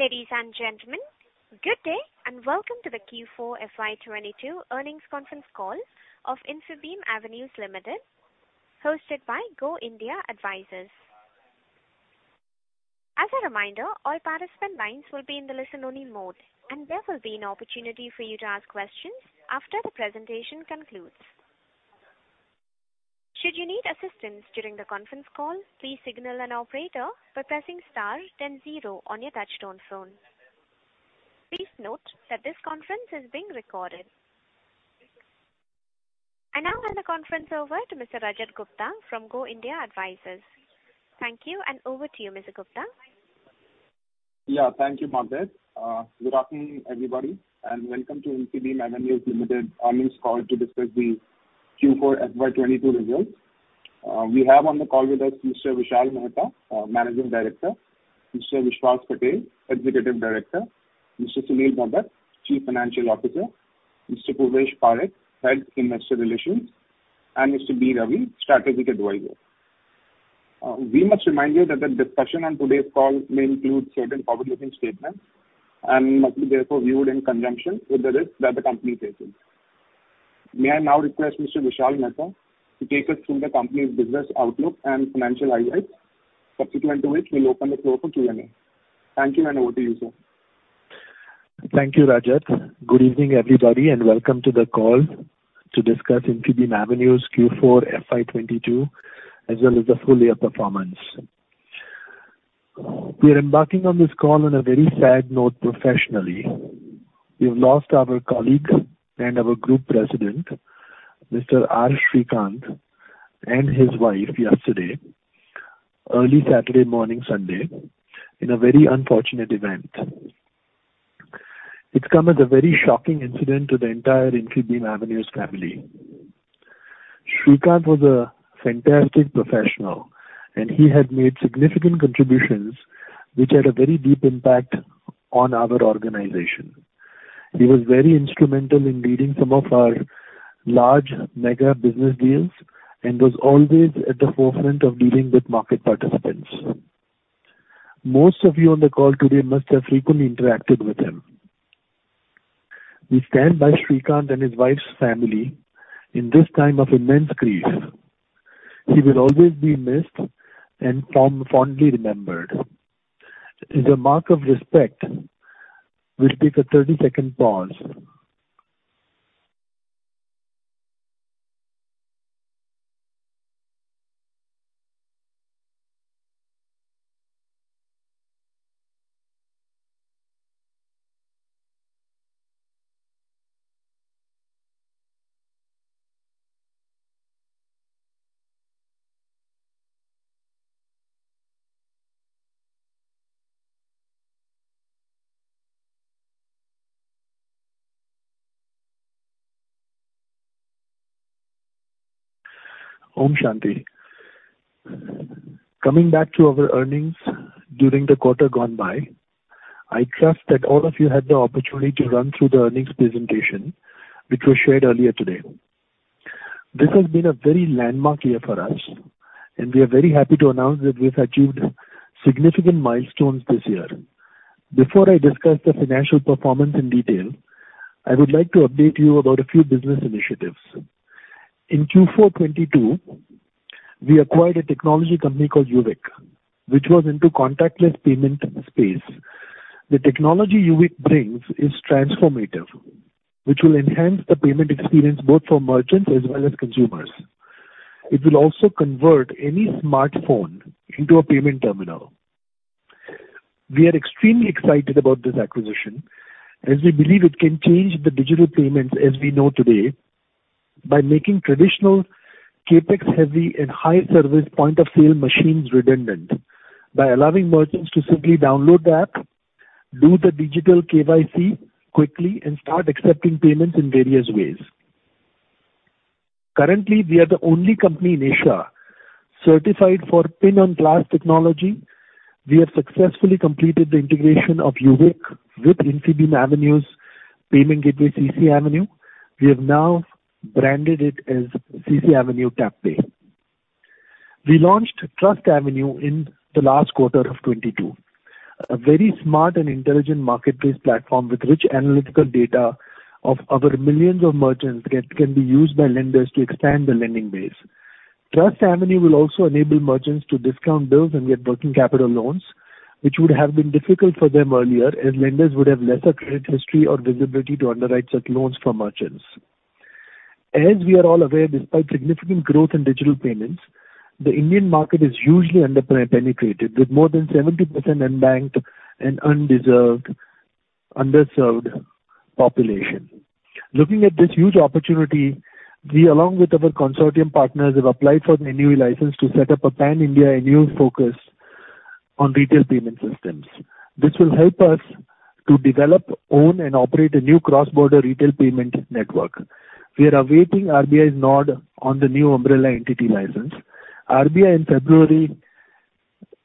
Ladies and gentlemen, good day and welcome to the Q4 FY 2022 earnings conference call of Infibeam Avenues Limited, hosted by Go India Advisors. As a reminder, all participant lines will be in the listen only mode, and there will be an opportunity for you to ask questions after the presentation concludes. Should you need assistance during the conference call, please signal an operator by pressing star then zero on your touchtone phone. Please note that this conference is being recorded. I now hand the conference over to Mr. Rajat Gupta from Go India Advisors. Thank you and over to you, Mr. Gupta. Yeah. Thank you, Margaret. Good afternoon, everybody, and welcome to Infibeam Avenues Limited earnings call to discuss the Q4 FY 2022 results. We have on the call with us Mr. Vishal Mehta, managing director, Mr. Vishwas Patel, executive director, Mr. Sunil Bhagat, Chief Financial Officer, Mr. Purvesh Parekh, head investor relations, and Mr. B. Ravi, strategic advisor. We must remind you that the discussion on today's call may include certain forward-looking statements and must be therefore viewed in conjunction with the risks that the company faces. May I now request Mr. Vishal Mehta to take us through the company's business outlook and financial highlights. Subsequent to which we'll open the floor for Q&A. Thank you, and over to you, sir. Thank you, Rajat. Good evening, everybody, and welcome to the call to discuss Infibeam Avenues Q4 FY 2022 as well as the full year performance. We are embarking on this call on a very sad note professionally. We've lost our colleague and our Group President, Mr. R. Srikanth, and his wife yesterday, early Saturday morning, Sunday, in a very unfortunate event. It's come as a very shocking incident to the entire Infibeam Avenues family. Srikanth was a fantastic professional, and he had made significant contributions which had a very deep impact on our organization. He was very instrumental in leading some of our large mega business deals and was always at the forefront of dealing with market participants. Most of you on the call today must have frequently interacted with him. We stand by Srikanth and his wife's family in this time of immense grief. He will always be missed and fondly remembered. As a mark of respect, we'll take a 30-second pause. Om Shanti. Coming back to our earnings during the quarter gone by, I trust that all of you had the opportunity to run through the earnings presentation, which was shared earlier today. This has been a very landmark year for us, and we are very happy to announce that we've achieved significant milestones this year. Before I discuss the financial performance in detail, I would like to update you about a few business initiatives. In Q4 2022, we acquired a technology company called Uvik, which was into contactless payment space. The technology Uvik brings is transformative, which will enhance the payment experience both for merchants as well as consumers. It will also convert any smartphone into a payment terminal. We are extremely excited about this acquisition as we believe it can change the digital payments as we know today by making traditional CapEx-heavy and high service point of sale machines redundant by allowing merchants to simply download the app, do the digital KYC quickly and start accepting payments in various ways. Currently, we are the only company in Asia certified for PIN on Glass technology. We have successfully completed the integration of Uvik with Infibeam Avenues payment gateway CCAvenue. We have now branded it as CCAvenue TapPay. We launched TrustAvenue in the last quarter of 2022. A very smart and intelligent marketplace platform with rich analytical data of over millions of merchants that can be used by lenders to expand the lending base. TrustAvenue will also enable merchants to discount bills and get working capital loans, which would have been difficult for them earlier, as lenders would have lesser credit history or visibility to underwrite such loans for merchants. As we are all aware, despite significant growth in digital payments, the Indian market is hugely underpenetrated, with more than 70% unbanked and underserved population. Looking at this huge opportunity, we along with our consortium partners, have applied for the NUE license to set up a pan-India NUE focused on retail payment systems. This will help us to develop, own, and operate a new cross-border retail payment network. We are awaiting RBI's nod on the new umbrella entity license. RBI in February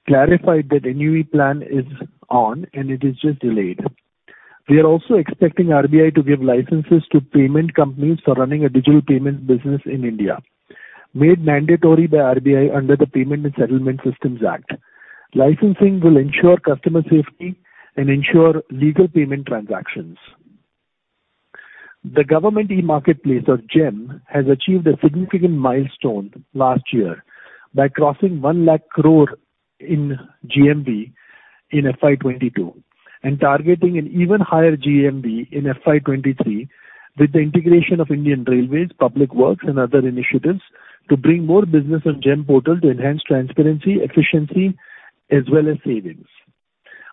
clarified that NUE plan is on and it is just delayed. We are also expecting RBI to give licenses to payment companies for running a digital payment business in India. Made mandatory by RBI under the Payment and Settlement Systems Act. Licensing will ensure customer safety and ensure legal payment transactions. The Government e-Marketplace or GeM has achieved a significant milestone last year by crossing 1 lakh crore in GMV in FY 2022 and targeting an even higher GMV in FY 2023 with the integration of Indian Railways, public works and other initiatives to bring more business on GeM portal to enhance transparency, efficiency as well as savings.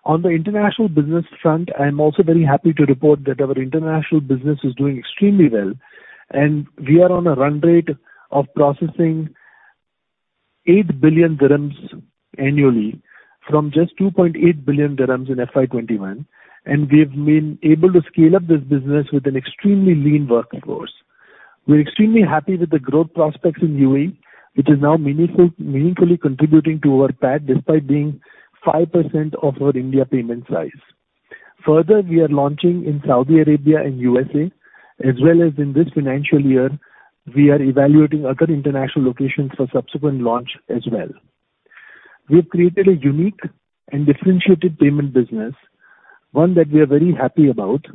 On the international business front, I'm also very happy to report that our international business is doing extremely well, and we are on a run rate of processing 8 billion dirhams annually from just 2.8 billion dirhams in FY 2021. We've been able to scale up this business with an extremely lean workforce. We're extremely happy with the growth prospects in UAE, which is now meaningful, meaningfully contributing to our PAT despite being 5% of our India payment size. Further, we are launching in Saudi Arabia and USA as well as in this financial year we are evaluating other international locations for subsequent launch as well. We have created a unique and differentiated payment business, one that we are very happy about,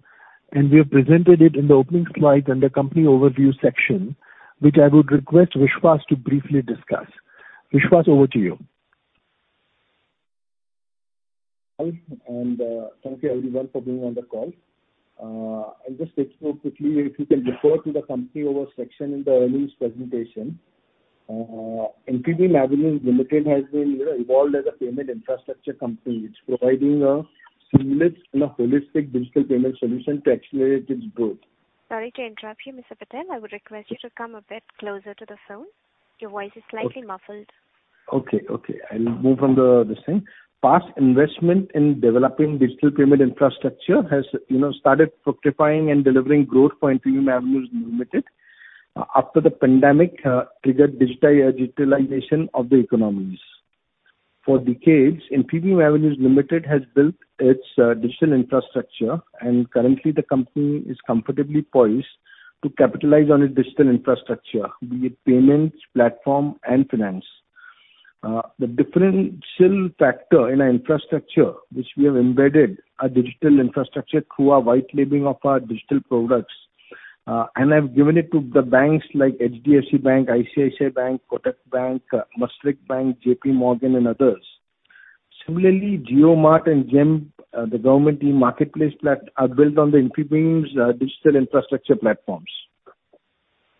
and we have presented it in the opening slide under company overview section, which I would request Vishwas to briefly discuss. Vishwas, over to you. Hi, thank you everyone for being on the call. I'll just take you through quickly. If you can refer to the company overview section in the earnings presentation. Infibeam Avenues Limited has been, you know, evolved as a payment infrastructure company. It's providing a seamless and a holistic digital payment solution to accelerate its growth. Sorry to interrupt you, Mr. Vishwas Patel. I would request you to come a bit closer to the phone. Your voice is slightly muffled. Okay. I'll move from this thing. Past investment in developing digital payment infrastructure has, you know, started fructifying and delivering growth for Infibeam Avenues Limited after the pandemic triggered digitalization of the economies. For decades, Infibeam Avenues Limited has built its digital infrastructure, and currently the company is comfortably poised to capitalize on its digital infrastructure, be it payments, platform and finance. The differential factor in our infrastructure, which we have embedded our digital infrastructure through our white labeling of our digital products, and have given it to the banks like HDFC Bank, ICICI Bank, Kotak Bank, Mashreq Bank, JP Morgan and others. Similarly, JioMart and GeM, the government e-marketplace platform are built on the Infibeam's digital infrastructure platforms.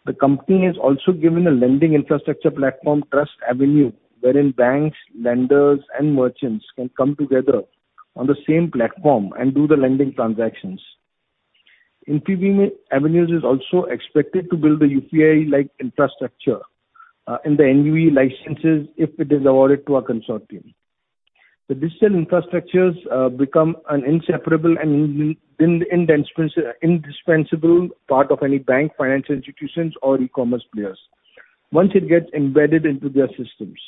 The company has also given a lending infrastructure platform, TrustAvenue, wherein banks, lenders and merchants can come together on the same platform and do the lending transactions. Infibeam Avenues is also expected to build a UPI-like infrastructure in the NUE licenses if it is awarded to a consortium. The digital infrastructures become an inseparable and indispensable part of any bank, financial institutions, or e-commerce players once it gets embedded into their systems.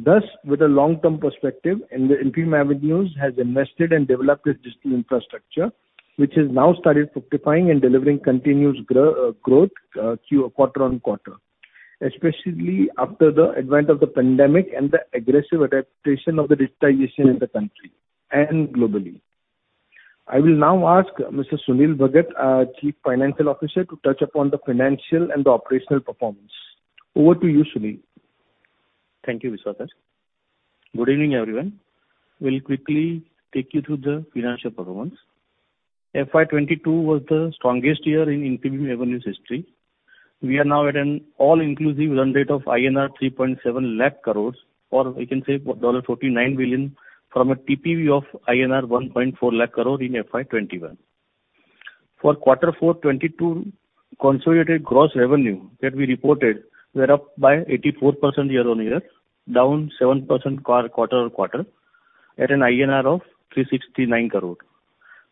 Thus, with a long-term perspective and Infibeam Avenues has invested and developed its digital infrastructure, which has now started fructifying and delivering continuous growth quarter-over-quarter, especially after the advent of the pandemic and the aggressive adaptation of the digitization in the country and globally. I will now ask Mr. Sunil Bhagat, our Chief Financial Officer, to touch upon the financial and the operational performance. Over to you, Sunil. Thank you, Vishwas. Good evening, everyone. Will quickly take you through the financial performance. FY 2022 was the strongest year in Infibeam Avenues' history. We are now at an all-inclusive run rate of INR 3.7 lakh crores, or we can say $49 billion from a TPV of INR 1.4 lakh crore in FY 2021. For quarter four 2022, consolidated gross revenue that we reported were up by 84% year-on-year, down 7% quarter-on-quarter at an 369 crore INR.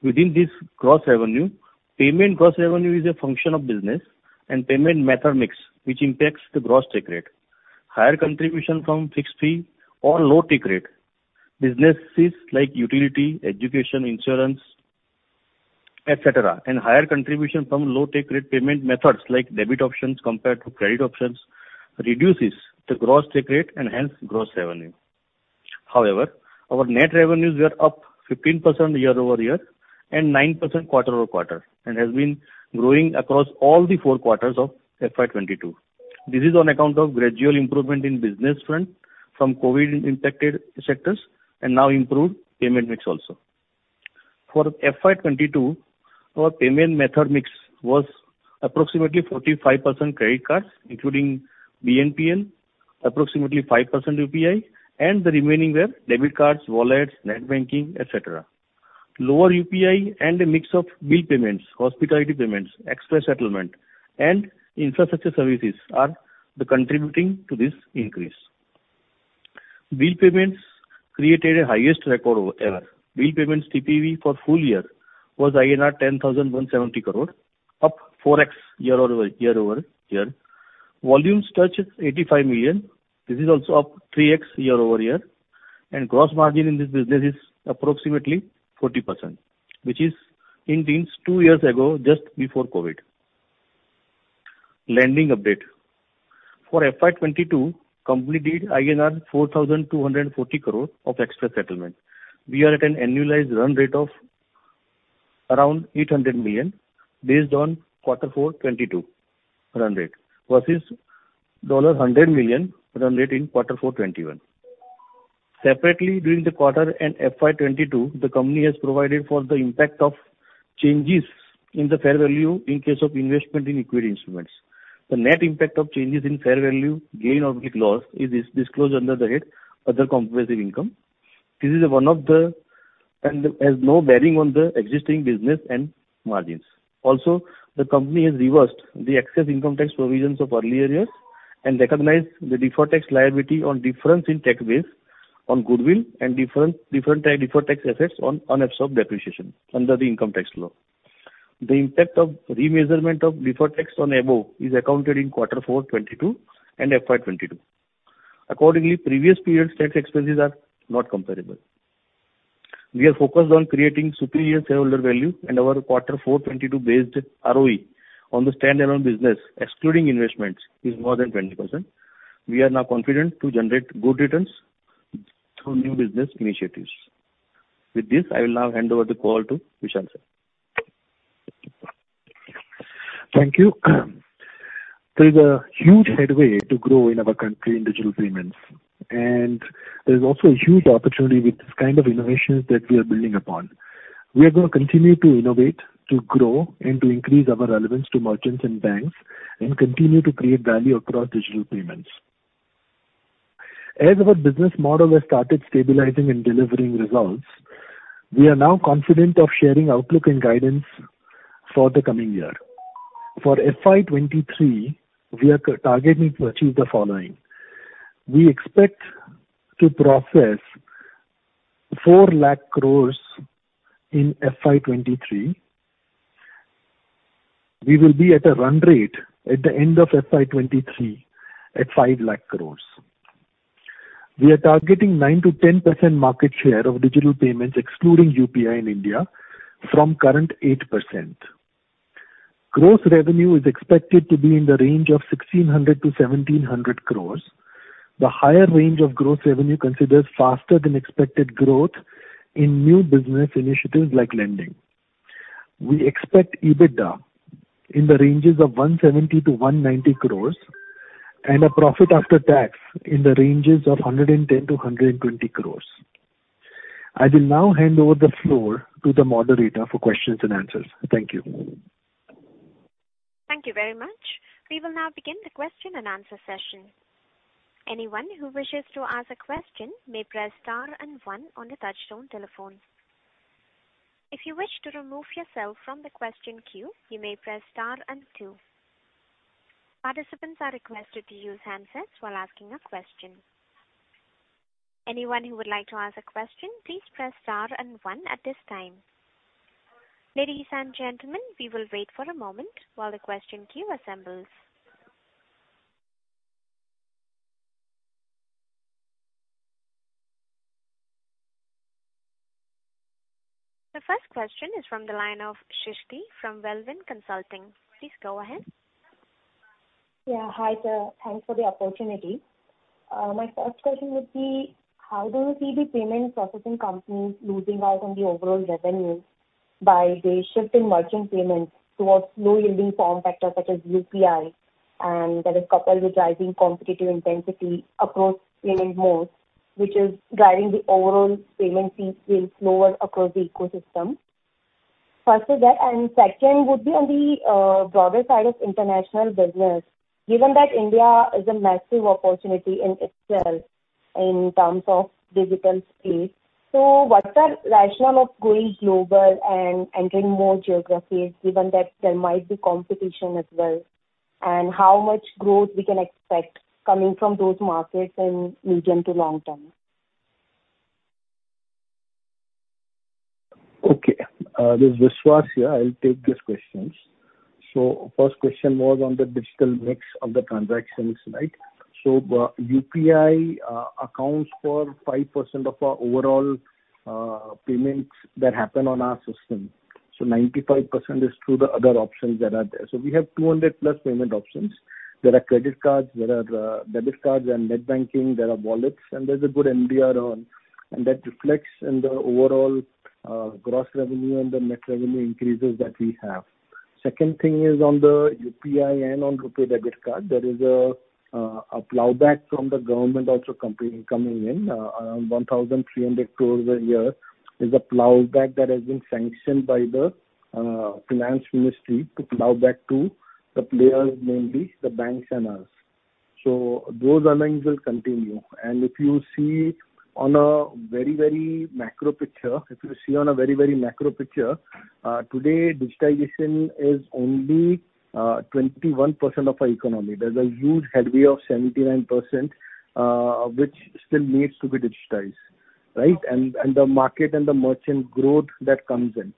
Within this gross revenue, payment gross revenue is a function of business and payment method mix, which impacts the gross take rate. Higher contribution from fixed fee or low take rate. Businesses like utility, education, insurance, et cetera, and higher contribution from low take rate payment methods like debit options compared to credit options reduces the gross take rate and hence gross revenue. However, our net revenues were up 15% year-over-year and 9% quarter-over-quarter, and has been growing across all the four quarters of FY 2022. This is on account of gradual improvement in business front from COVID impacted sectors and now improved payment mix also. For FY 2022, our payment method mix was approximately 45% credit cards, including BNPL, approximately 5% UPI, and the remaining were debit cards, wallets, net banking, et cetera. Lower UPI and a mix of bill payments, hospitality payments, express settlement and infrastructure services are the contributing to this increase. Bill payments created a highest record ever. Bill payments TPV for full year was INR 10,170 crore, up 4x year-over-year. Volumes touched 85 million. This is also up 3x year-over-year. Gross margin in this business is approximately 40%, which is in teens two years ago, just before COVID. Lending update. For FY 2022, company did INR 4,240 crores of extra settlement. We are at an annualized run rate of around $800 million based on quarter four 2022 run rate versus $100 million run rate in quarter four 2021. Separately, during the quarter and FY 2022, the company has provided for the impact of changes in the fair value in case of investment in equity instruments. The net impact of changes in fair value, gain or net loss is disclosed under the head other comprehensive income. This is one of the, has no bearing on the existing business and margins. Also, the company has reversed the excess income tax provisions of earlier years and recognized the deferred tax liability on difference in tax base on goodwill and different deferred tax assets on unabsorbed depreciation under the income tax law. The impact of remeasurement of deferred tax on above is accounted in quarter four 2022 and FY 2022. Accordingly, previous period's tax expenses are not comparable. We are focused on creating superior shareholder value, and our quarter four 2022 based ROE on the stand-alone business, excluding investments, is more than 20%. We are now confident to generate good returns through new business initiatives. With this, I will now hand over the call to Vishal sir. Thank you. There is a huge headway to grow in our country in digital payments, and there is also a huge opportunity with this kind of innovations that we are building upon. We are gonna continue to innovate, to grow, and to increase our relevance to merchants and banks and continue to create value across digital payments. As our business model has started stabilizing and delivering results, we are now confident of sharing outlook and guidance for the coming year. For FY 2023, we are targeting to achieve the following. We expect to process 4 lakh crores in FY 2023. We will be at a run rate at the end of FY 2023 at 5 lakh crores. We are targeting 9%-10% market share of digital payments, excluding UPI in India, from current 8%. Gross revenue is expected to be in the range of 1,600-1,700 crore. The higher range of gross revenue considers faster than expected growth in new business initiatives like lending. We expect EBITDA in the range of 170-190 crore and a profit after tax in the range of 110-120 crore. I will now hand over the floor to the moderator for questions and answers. Thank you. Thank you very much. We will now begin the question and answer session. Anyone who wishes to ask a question may press star and one on the touchtone telephone. If you wish to remove yourself from the question queue, you may press star and two. Participants are requested to use handsets while asking a question. Anyone who would like to ask a question, please press star and one at this time. Ladies and gentlemen, we will wait for a moment while the question queue assembles. The first question is from the line of Shrishti from Wellwin Consulting. Please go ahead. Yeah. Hi, sir. Thanks for the opportunity. My first question would be: How do you see the payment processing companies losing out on the overall revenues by their shift in merchant payments towards low-yielding form factors such as UPI, and that is coupled with rising competitive intensity across payment modes, which is driving the overall payment fees to be lower across the ecosystem? First is that, and second would be on the broader side of international business. Given that India is a massive opportunity in itself in terms of digital space, what's the rationale of going global and entering more geographies given that there might be competition as well, and how much growth we can expect coming from those markets in medium to long term? Okay. This is Vishwas here. I'll take these questions. First question was on the digital mix of the transactions, right? UPI accounts for 5% of our overall payments that happen on our system, so 95% is through the other options that are there. We have 200+ payment options. There are credit cards, there are debit cards and net banking. There are wallets, and there's a good NDR on, and that reflects in the overall gross revenue and the net revenue increases that we have. Second thing is on the UPI and on RuPay debit card, there is a plowback from the government also coming in, around 1,300 crore a year is a plowback that has been sanctioned by the Finance Ministry to plowback to the players, mainly the banks and us. Those earnings will continue. If you see on a very macro picture, today, digitization is only 21% of our economy. There's a huge headway of 79%, which still needs to be digitized, right? The market and the merchant growth that comes in.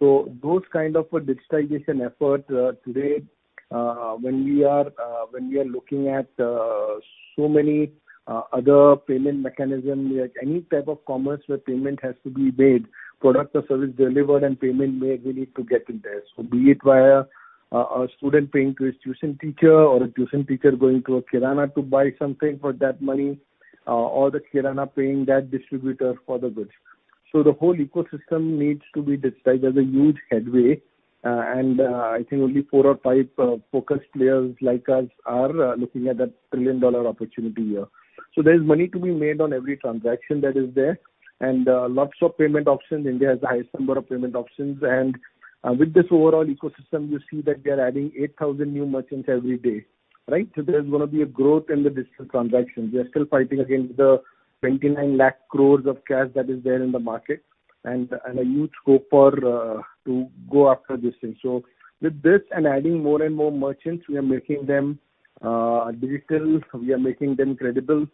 Those kind of a digitization effort, today, when we are looking at so many other payment mechanism, any type of commerce where payment has to be made, product or service delivered and payment made, we need to get in there. So be it via a student paying to his tuition teacher or a tuition teacher going to a kirana to buy something for that money, or the kirana paying that distributor for the goods. So the whole ecosystem needs to be digitized. There's a huge headway, and, I think only four or five focused players like us are looking at that trillion-dollar opportunity here. So there's money to be made on every transaction that is there and, lots of payment options. India has the highest number of payment options. With this overall ecosystem, you see that we are adding 8,000 new merchants every day, right? There's gonna be a growth in the digital transactions. We are still fighting against the 29 lakh crores of cash that is there in the market and a huge scope for to go after this thing. With this and adding more and more merchants, we are making them digital. We are making them credible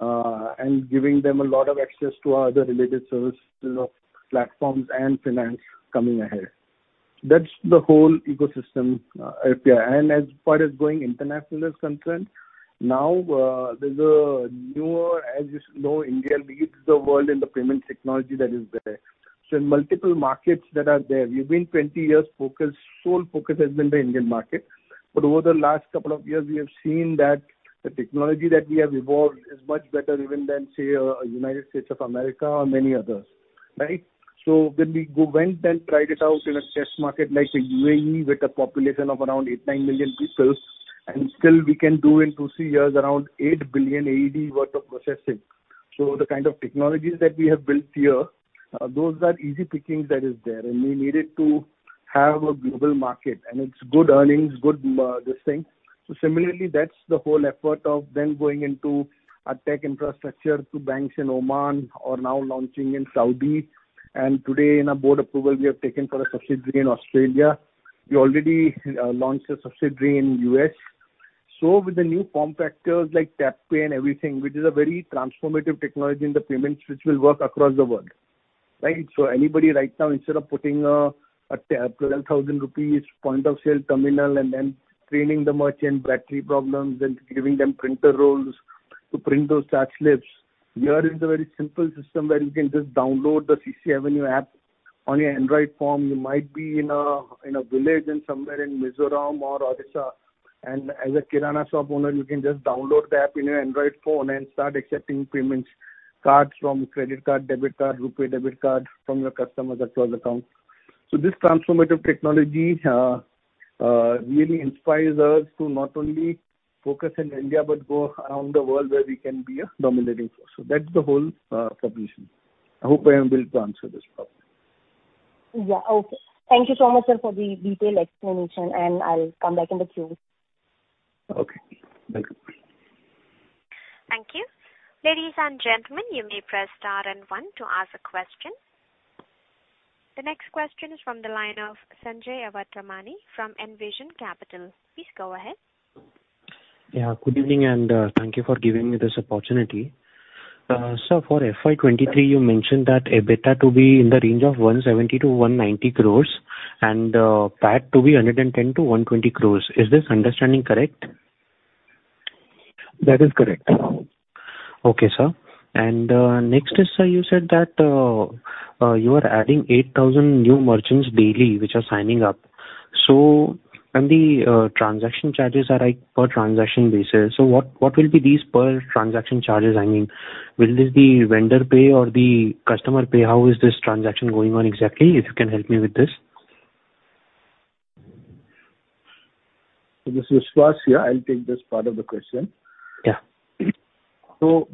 and giving them a lot of access to our other related services, you know, platforms and finance coming ahead. That's the whole ecosystem, APIA. As far as going international is concerned, there's a newer. As you know, India leads the world in the payment technology that is there. In multiple markets that are there, we've been 20 years focused, sole focus has been the Indian market. Over the last couple of years, we have seen that the technology that we have evolved is much better even than, say, United States of America or many others, right? When we went and tried it out in a test market like the UAE with a population of around 8-9 million people, and still we can do in 2-3 years around 8 billion AED worth of processing. The kind of technologies that we have built here, those are easy pickings that is there, and we needed to have a global market, and it's good earnings, good, this thing. Similarly, that's the whole effort of then going into a tech infrastructure to banks in Oman or now launching in Saudi. Today, in a board approval, we have taken for a subsidiary in Australia. We already launched a subsidiary in the U.S. With the new form factors like Tap & Pay and everything, which is a very transformative technology in the payments which will work across the world, right? Anybody right now, instead of putting a 12,000 rupees point of sale terminal and then training the merchant, battery problems and giving them printer rolls to print those cash slips, here is a very simple system where you can just download the CCAvenue app on your Android phone. You might be in a village somewhere in Mizoram or Odisha, and as a kirana shop owner, you can just download the app on your Android phone and start accepting payments, cards from credit cards, debit cards, RuPay debit cards from your customers across the counter. This transformative technology really inspires us to not only focus in India but go around the world where we can be a dominating force. That's the whole proposition. I hope I am able to answer this properly. Yeah. Okay. Thank you so much, sir, for the detailed explanation, and I'll come back in the queue. Okay. Thank you. Thank you. Ladies and gentlemen, you may press star and one to ask a question. The next question is from the line of Sanjay Awatramani from Envision Capital. Please go ahead. Yeah. Good evening and, thank you for giving me this opportunity. For FY 2023, you mentioned that EBITDA to be in the range of 170 crore-190 crore and, PAT to be 110 crore-120 crore. Is this understanding correct? That is correct. Okay, sir. Next is, sir, you said that you are adding 8,000 new merchants daily which are signing up. The transaction charges are like per transaction basis. What will be these per transaction charges? I mean, will this be vendor pay or the customer pay? How is this transaction going on exactly? If you can help me with this. This is Vishwas here. I'll take this part of the question. Yeah.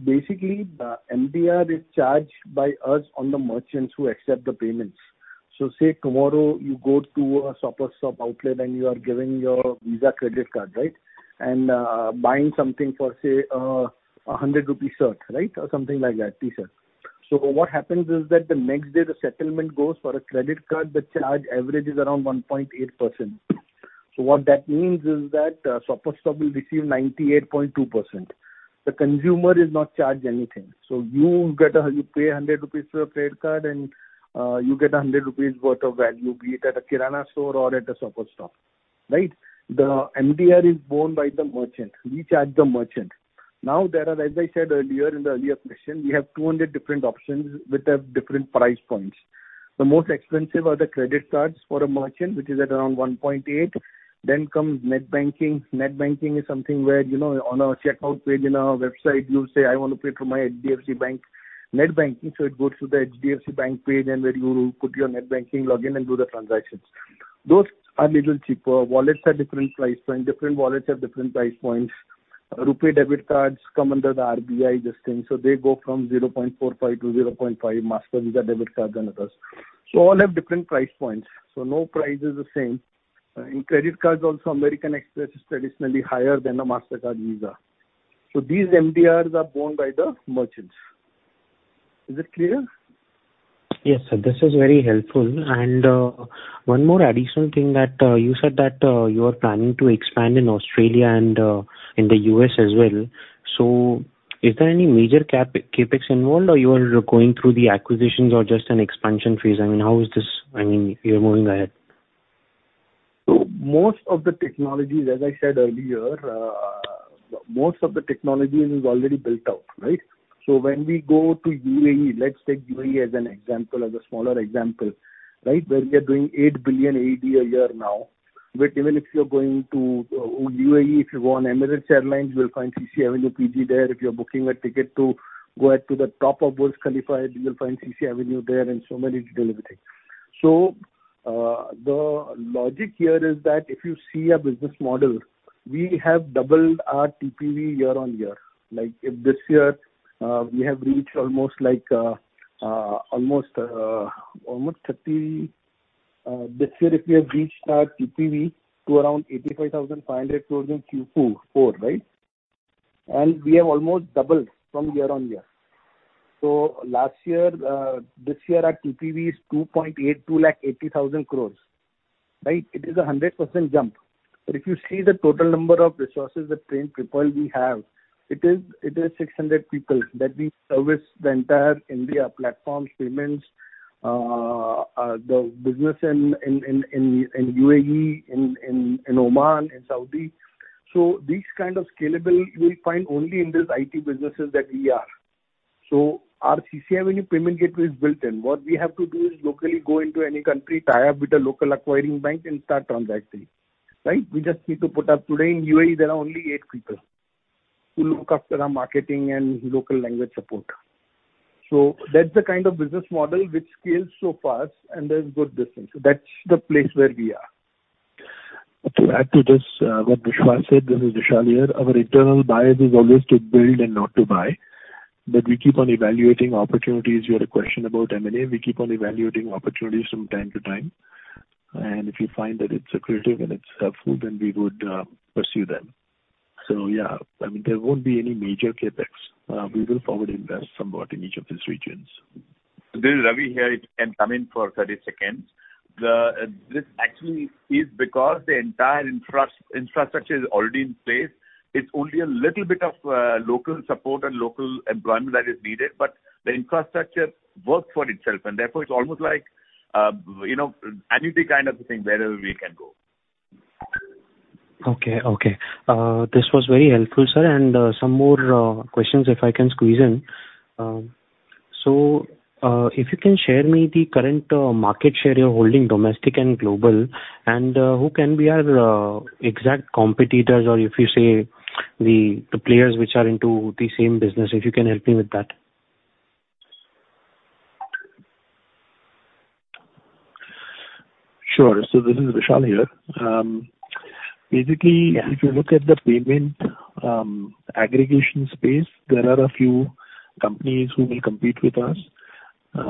Basically, the MDR is charged by us on the merchants who accept the payments. Say tomorrow, you go to a Shoppers Stop outlet and you are giving your Visa credit card, right? Buying something for say, an 100 rupee shirt, right? Or something like that, T-shirt. What happens is that the next day the settlement goes for a credit card, the average charge is around 1.8%. What that means is that, Shoppers Stop will receive 98.2%. The consumer is not charged anything. You pay 100 rupees through a credit card and you get 100 rupees worth of value, be it at a kirana store or at a Shoppers Stop, right? The MDR is borne by the merchant. We charge the merchant. There are, as I said earlier in the earlier question, we have 200 different options with the different price points. The most expensive are the credit cards for a merchant, which is at around 1.8%. Then comes net banking. Net banking is something where, you know, on our checkout page in our website, you'll say, "I want to pay through my HDFC Bank net banking." So it goes to the HDFC Bank page and where you put your net banking login and do the transactions. Those are little cheaper. Wallets have different price points. Different wallets have different price points. RuPay debit cards come under the RBI, this thing. So they go from 0.45% to 0.5%, Mastercard Visa debit cards and others. So all have different price points. So no price is the same. In credit cards also, American Express is traditionally higher than a Mastercard Visa. These MDRs are borne by the merchants. Is it clear? Yes, sir. This is very helpful. One more additional thing that you said that you are planning to expand in Australia and in the U.S. as well. Is there any major CapEx involved or you are going through the acquisitions or just an expansion phase? I mean, how is this. I mean, you're moving ahead. Most of the technologies, as I said earlier, most of the technology is already built out, right? When we go to UAE, let's take UAE as an example, as a smaller example, right? Where we are doing 8 billion a year now. But even if you're going to UAE, if you go on Emirates, you will find CCAvenue PG there. If you're booking a ticket to go to the top of Burj Khalifa, you will find CCAvenue there and so many delivery. The logic here is that if you see a business model, we have doubled our TPV year-on-year. Like, this year if we have reached our TPV to around 85,500 crores in Q4, right? We have almost doubled from year-on-year. Last year, this year our TPV is 2.82 lakh crore, right? It is a 100% jump. If you see the total number of resources, the trained people we have, it is 600 people that we service the entire India platform payments, the business in UAE, in Oman, in Saudi. These kind of scalable you will find only in this IT businesses that we are. Our CCAvenue payment gateway is built-in. What we have to do is locally go into any country, tie up with a local acquiring bank and start transacting, right? We just need to put up. Today in UAE there are only 8 people who look after our marketing and local language support. That's the kind of business model which scales so fast, and there's good business. That's the place where we are. To add to this, what Vishwas said, this is Vishal here. Our internal bias is always to build and not to buy. We keep on evaluating opportunities. You had a question about M&A. We keep on evaluating opportunities from time to time, and if you find that it's accretive and it's helpful, then we would pursue them. Yeah, I mean, there won't be any major CapEx. We will forward invest somewhat in each of these regions. This is B. Ravi here. If I can come in for 30 seconds. This actually is because the entire infrastructure is already in place. It's only a little bit of local support and local employment that is needed. The infrastructure works for itself and therefore it's almost like, you know, annuity kind of a thing wherever we can go. Okay. This was very helpful, sir. Some more questions if I can squeeze in. If you can share me the current market share you're holding domestic and global, and who can be our exact competitors or if you say the players which are into the same business, if you can help me with that. This is Vishal here. Basically, if you look at the payment aggregation space, there are a few companies who may compete with us. You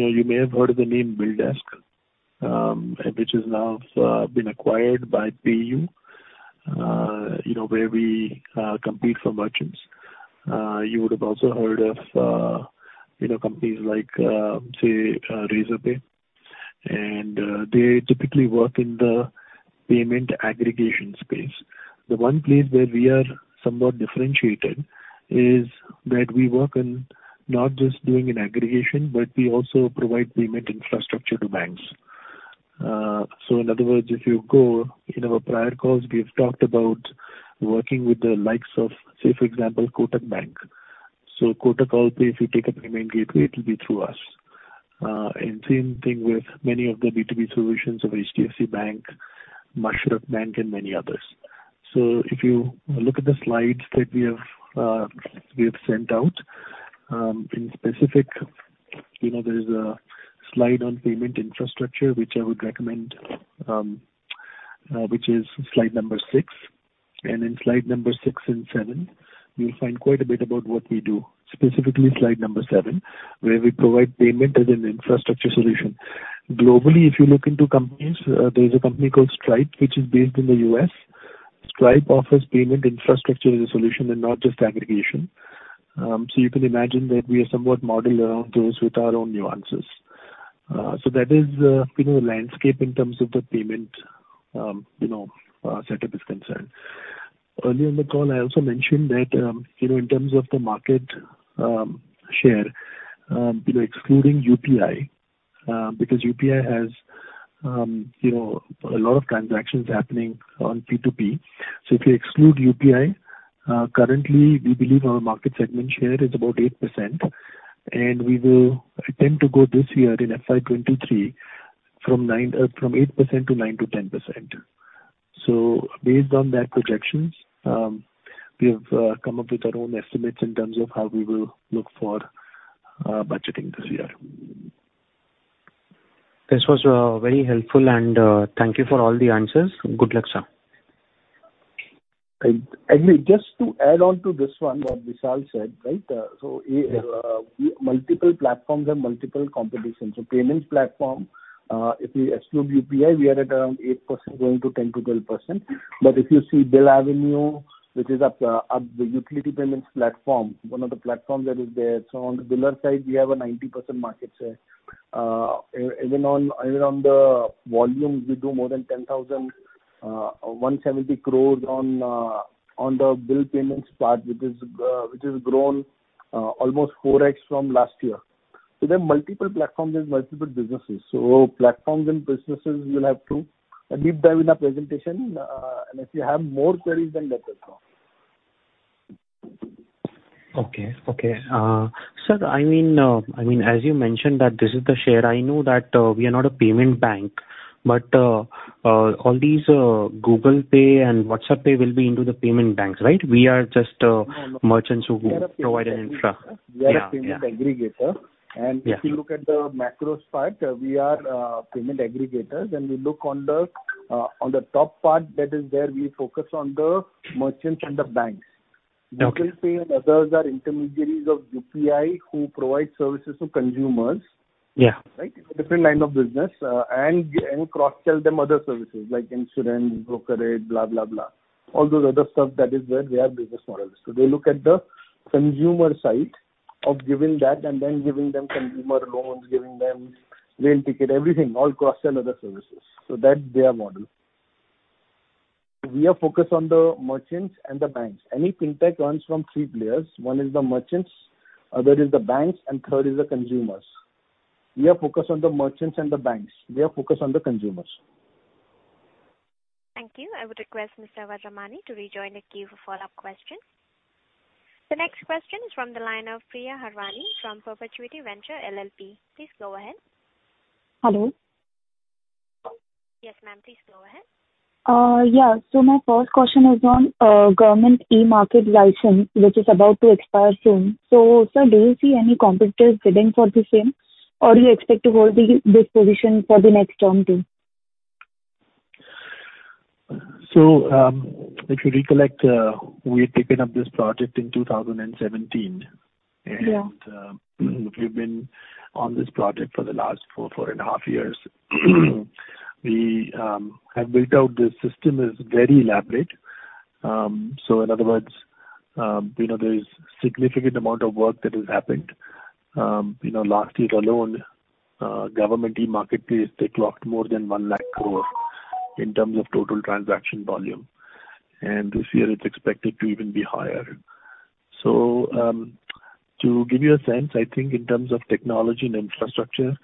know, you may have heard of the name BillDesk, which has now been acquired by PayU, you know, where we compete for merchants. You would have also heard of, you know, companies like say Razorpay, and they typically work in the payment aggregation space. The one place where we are somewhat differentiated is that we work in not just doing an aggregation, but we also provide payment infrastructure to banks. In other words, if you go in our prior calls, we have talked about working with the likes of, say for example, Kotak Bank. Kotak also, if you take a payment gateway, it'll be through us. Same thing with many of the B2B solutions of HDFC Bank, Mashreq Bank, and many others. If you look at the slides that we have sent out, in specific, you know, there is a slide on payment infrastructure which I would recommend, which is slide number six. In slide number six and seven, you'll find quite a bit about what we do, specifically slide number seven, where we provide payment as an infrastructure solution. Globally, if you look into companies, there is a company called Stripe, which is based in the U.S. Stripe offers payment infrastructure as a solution and not just aggregation. You can imagine that we are somewhat modeled around those with our own nuances. That is landscape in terms of the payment setup is concerned. Earlier in the call I also mentioned that, you know, in terms of the market share, you know, excluding UPI, because UPI has, you know, a lot of transactions happening on P2P. If you exclude UPI, currently we believe our market segment share is about 8%, and we will attempt to go this year in FY 2023 from 8% to 9%-10%. Based on that projections, we have come up with our own estimates in terms of how we will look for budgeting this year. This was very helpful and thank you for all the answers. Good luck, sir. Just to add on to this one what Vishal said, right? Multiple platforms and multiple competitors. Payments platform, if we exclude UPI, we are at around 8% going to 10%-12%. But if you see BillAvenue, which is the utility payments platform, one of the platforms that is there. On the biller side we have a 90% market share. Even on the volume, we do more than 10,000, 170 crore on the bill payments part which has grown almost 4x from last year. There are multiple platforms and multiple businesses. Platforms and businesses you'll have to deep dive in the presentation. If you have more queries, then let us know. Okay. Sir, I mean, as you mentioned that this is the share. I know that we are not a payment bank, but all these Google Pay and WhatsApp Pay will be into the payment banks, right? We are just No, no. merchants who provide an infra. We are a payment. Yeah, yeah. We are a payment aggregator. Yeah. If you look at the macros part, we are payment aggregators. We look on the top part that is where we focus on the merchants and the banks. Okay. Google Pay and others are intermediaries of UPI who provide services to consumers. Yeah. Right? It's a different line of business. Cross-sell them other services like insurance, brokerage, blah, blah. All those other stuff that is where we have business models. They look at the consumer side of giving that and then giving them consumer loans, giving them rail ticket, everything, all cross-sell other services. That's their model. We are focused on the merchants and the banks. Any fintech earns from three players. One is the merchants, other is the banks, and third is the consumers. We are focused on the merchants and the banks. They are focused on the consumers. Thank you. I would request Mr. Awatramani to rejoin the queue for follow-up questions. The next question is from the line of Priya Harwani from Perpetuity Ventures LLP. Please go ahead. Hello. Yes, ma'am. Please go ahead. My first question is on government e-Marketplace license, which is about to expire soon. Sir, do you see any competitors bidding for the same, or do you expect to hold this position for the next term too? If you recollect, we had taken up this project in 2017. Yeah. We've been on this project for the last 4.5 years. We have built out this system. It's very elaborate. In other words, you know, there is significant amount of work that has happened. You know, last year alone, Government e-Marketplace, they clocked more than ₹1 lakh crore in terms of total transaction volume. This year it's expected to even be higher. To give you a sense, I think in terms of technology and infrastructure,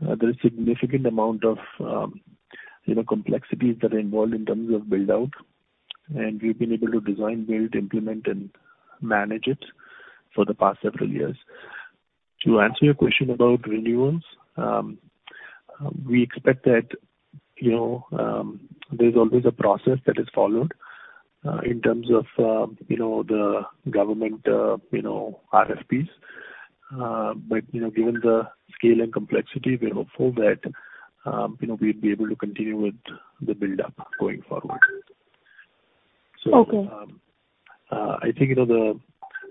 there is significant amount of you know, complexities that are involved in terms of build-out, and we've been able to design, build, implement, and manage it for the past several years. To answer your question about renewals, we expect that, you know, there's always a process that is followed, in terms of, you know, the government, you know, RFPs. Given the scale and complexity, you know, we're hopeful that, you know, we'd be able to continue with the build-up going forward. Okay. I think, you know,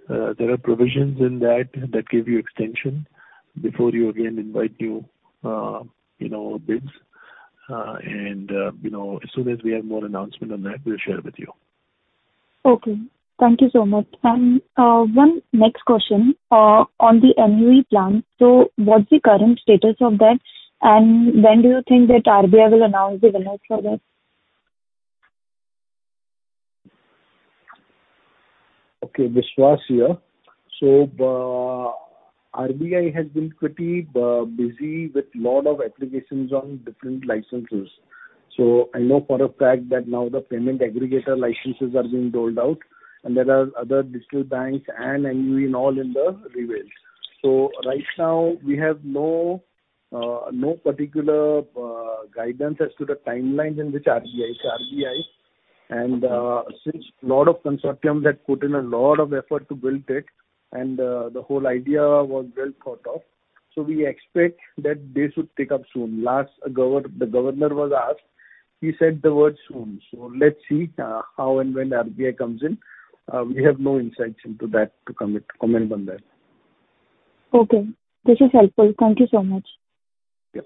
there are provisions in that that give you extension before you again invite new, you know, bids. You know, as soon as we have more announcement on that, we'll share with you. Okay. Thank you so much. One next question on the NUE plan. What's the current status of that and when do you think that RBI will announce the winners for this? Okay. Vishwas here. RBI has been pretty busy with lot of applications on different licenses. I know for a fact that now the payment aggregator licenses are being rolled out and there are other digital banks and NUE and all in the pipeline. Right now we have no particular guidance as to the timelines in which RBI and since lot of consortiums have put in a lot of effort to build it and the whole idea was well thought of. We expect that they should pick up soon. The governor was asked, he said the word soon. Let's see how and when RBI comes in. We have no insights into that to comment on that. Okay. This is helpful. Thank you so much. Yep.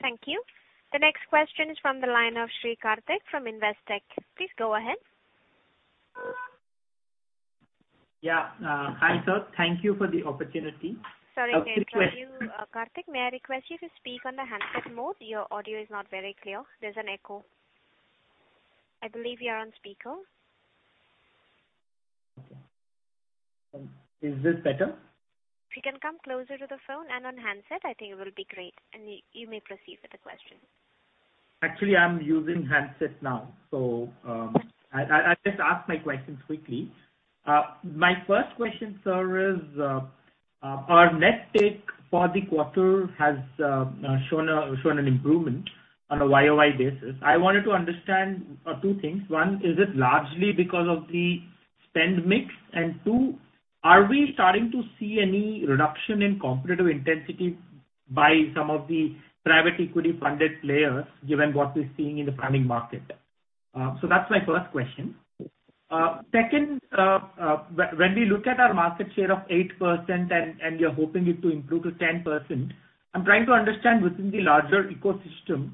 Thank you. The next question is from the line of Sri Karthik from Investec. Please go ahead. Yeah. Hi, sir. Thank you for the opportunity. Sorry, Karthik, may I request you to speak on the handset mode? Your audio is not very clear. There's an echo. I believe you are on speaker. Is this better? If you can come closer to the phone and on handset, I think it will be great. You may proceed with the question. Actually, I'm using handset now, so I'll just ask my questions quickly. My first question, sir, is our net take for the quarter has shown an improvement on a YOY basis. I wanted to understand two things. One, is it largely because of the spend mix? And two, are we starting to see any reduction in competitive intensity by some of the private equity funded players, given what we're seeing in the funding market? So that's my first question. Second, when we look at our market share of 8% and you're hoping it to improve to 10%, I'm trying to understand within the larger ecosystem.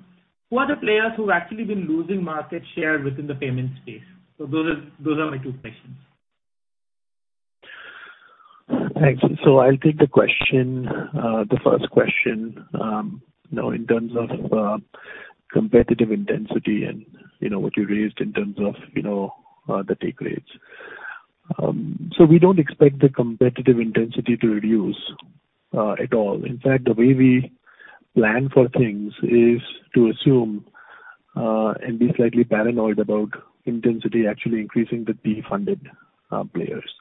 Who are the players who've actually been losing market share within the payment space? Those are my two questions. Thanks. I'll take the first question, you know, in terms of competitive intensity and, you know, what you raised in terms of, you know, the take rates. We don't expect the competitive intensity to reduce at all. In fact, the way we plan for things is to assume and be slightly paranoid about intensity actually increasing with the funded players.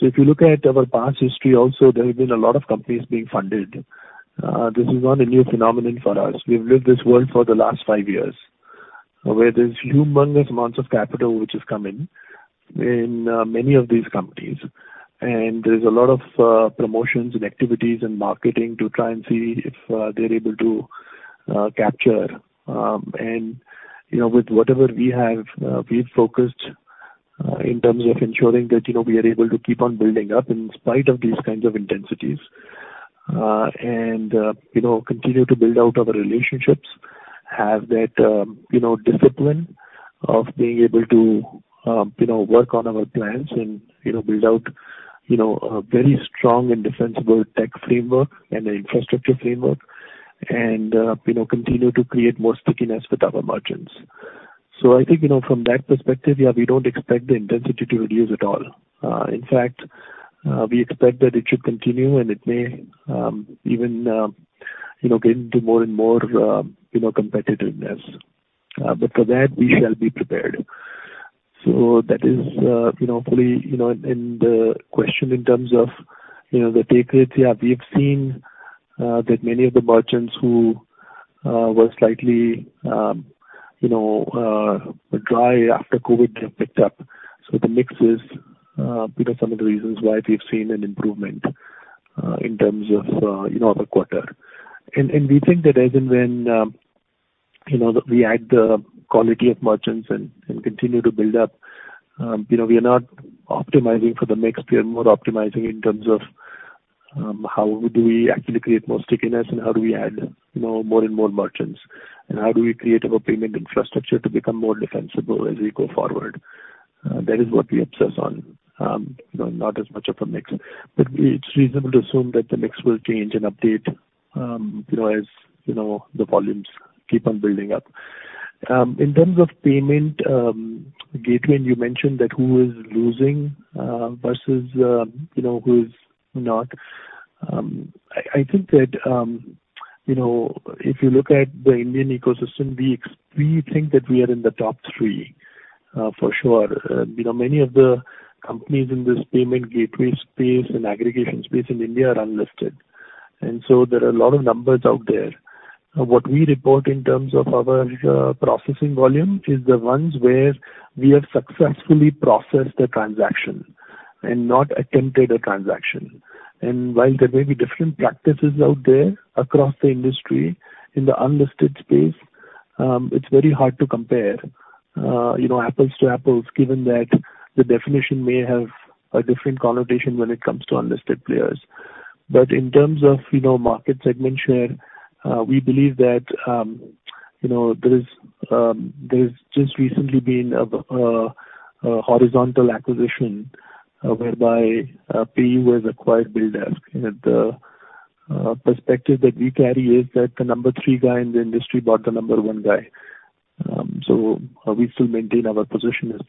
If you look at our past history also, there have been a lot of companies being funded. This is not a new phenomenon for us. We've lived this world for the last five years, where there's humongous amounts of capital which is coming in, many of these companies, and there's a lot of promotions and activities and marketing to try and see if they're able to capture. You know, with whatever we have, we've focused in terms of ensuring that, you know, we are able to keep on building up in spite of these kinds of intensities, and, you know, continue to build out our relationships, have that, you know, discipline of being able to, you know, work on our plans and, you know, build out, you know, a very strong and defensible tech framework and an infrastructure framework and, you know, continue to create more stickiness with our merchants. So I think, you know, from that perspective, yeah, we don't expect the intensity to reduce at all. In fact, we expect that it should continue, and it may, even, you know, get into more and more, you know, competitiveness. But for that we shall be prepared. That is, you know, fully. You know, the question in terms of, you know, the take rates, yeah, we have seen that many of the merchants who were slightly, you know, shy after COVID have picked up. The mix is one of the reasons why we've seen an improvement in terms of, you know, the quarter. We think that as and when, you know, we add the quality of merchants and continue to build up, you know, we are not optimizing for the mix. We are more optimizing in terms of, how do we actually create more stickiness and how do we add, you know, more and more merchants, and how do we create our payment infrastructure to become more defensible as we go forward. That is what we obsess on, you know, not as much of a mix. It's reasonable to assume that the mix will change and update, you know, as, you know, the volumes keep on building up. In terms of payment gateway, and you mentioned that who is losing versus, you know, who is not. I think that, you know, if you look at the Indian ecosystem, we think that we are in the top three, for sure. You know, many of the companies in this payment gateway space and aggregation space in India are unlisted, and so there are a lot of numbers out there. What we report in terms of our processing volume is the ones where we have successfully processed the transaction and not attempted a transaction. While there may be different practices out there across the industry in the unlisted space, it's very hard to compare, you know, apples to apples, given that the definition may have a different connotation when it comes to unlisted players. In terms of, you know, market segment share, we believe that, you know, there's just recently been a horizontal acquisition, whereby PayU acquired BillDesk. The perspective that we carry is that the number 3 guy in the industry bought the number 1 guy. We still maintain our position as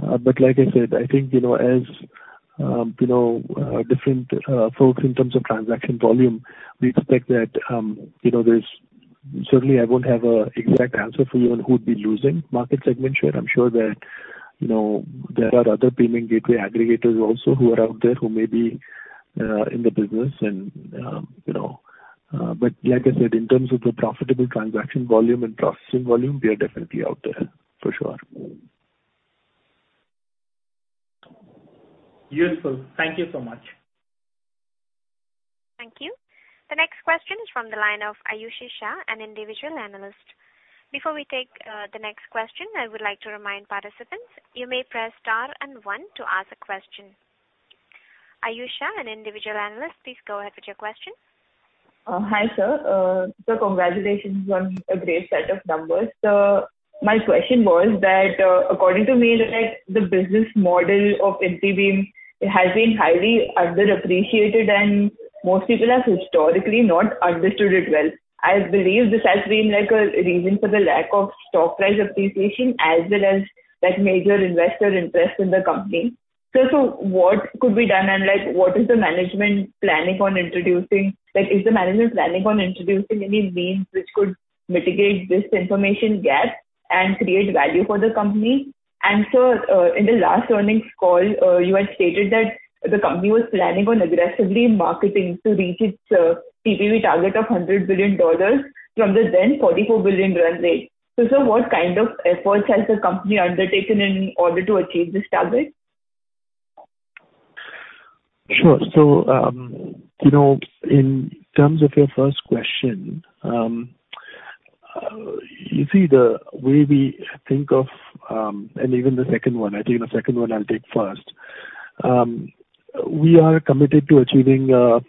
2. Like I said, I think, you know, as you know different folks in terms of transaction volume, we expect that, you know, there's Certainly I won't have an exact answer for you on who would be losing market segment share. I'm sure that, you know, there are other payment gateway aggregators also who are out there who may be in the business and, you know. But like I said, in terms of the profitable transaction volume and processing volume, we are definitely out there, for sure. Useful. Thank you so much. Thank you. The next question is from the line of Aayushi Shah, an individual analyst. Before we take the next question, I would like to remind participants, you may press star and one to ask a question. Aayushi Shah, an individual analyst, please go ahead with your question. Hi, sir. Sir, congratulations on a great set of numbers. My question was that, according to me, like, the business model of Infibeam has been highly underappreciated, and most people have historically not understood it well. I believe this has been, like, a reason for the lack of stock price appreciation as well as, like, major investor interest in the company. Sir, what could be done and, like, what is the management planning on introducing? Like, is the management planning on introducing any means which could mitigate this information gap and create value for the company? Sir, in the last earnings call, you had stated that the company was planning on aggressively marketing to reach its TPV target of $100 billion from the then $44 billion run rate. Sir, what kind of efforts has the company undertaken in order to achieve this target? Sure. You know, in terms of your first question, you see. I think the second one I'll take first. We are committed to achieving a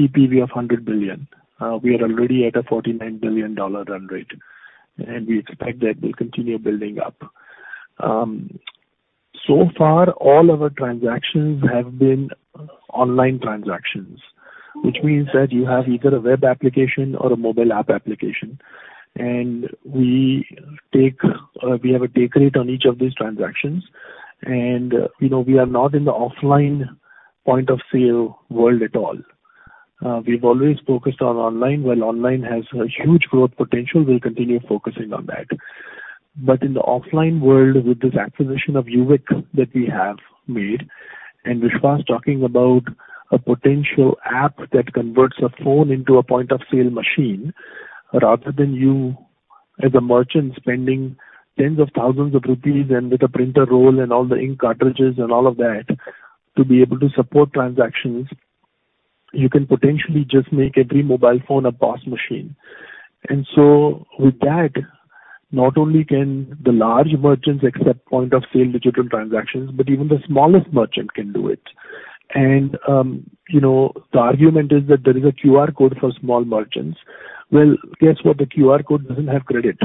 TPV of $100 billion. We are already at a $49 billion run rate, and we expect that we'll continue building up. So far all of our transactions have been online transactions, which means that you have either a web application or a mobile app application. We have a take rate on each of these transactions. You know, we are not in the offline point of sale world at all. We've always focused on online. While online has a huge growth potential, we'll continue focusing on that. In the offline world with this acquisition of Uvik that we have made, and Vishwas talking about a potential app that converts a phone into a point of sale machine, rather than you as a merchant spending INR tens of thousands and with a printer roll and all the ink cartridges and all of that to be able to support transactions, you can potentially just make every mobile phone a POS machine. With that, not only can the large merchants accept point of sale digital transactions, but even the smallest merchant can do it. You know, the argument is that there is a QR code for small merchants. Well, guess what? The QR code doesn't have credit.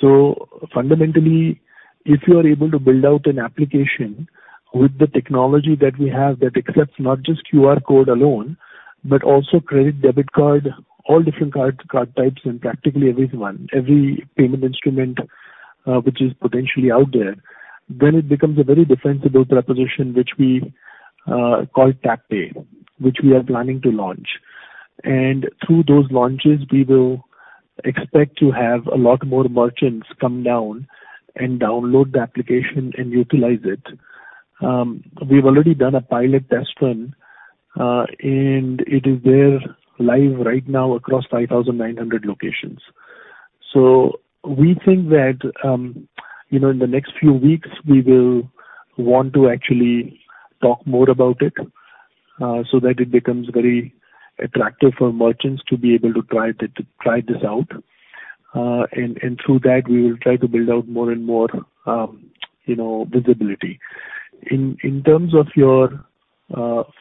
Fundamentally, if you are able to build out an application with the technology that we have that accepts not just QR code alone, but also credit, debit card, all different card types and practically every payment instrument, which is potentially out there, then it becomes a very defensible proposition which we call Tap & Pay, which we are planning to launch. Through those launches, we will expect to have a lot more merchants come down and download the application and utilize it. We've already done a pilot test run, and it is there live right now across 5,900 locations. We think that, you know, in the next few weeks we will want to actually talk more about it, so that it becomes very attractive for merchants to be able to try this out. Through that we will try to build out more and more, you know, visibility. In terms of your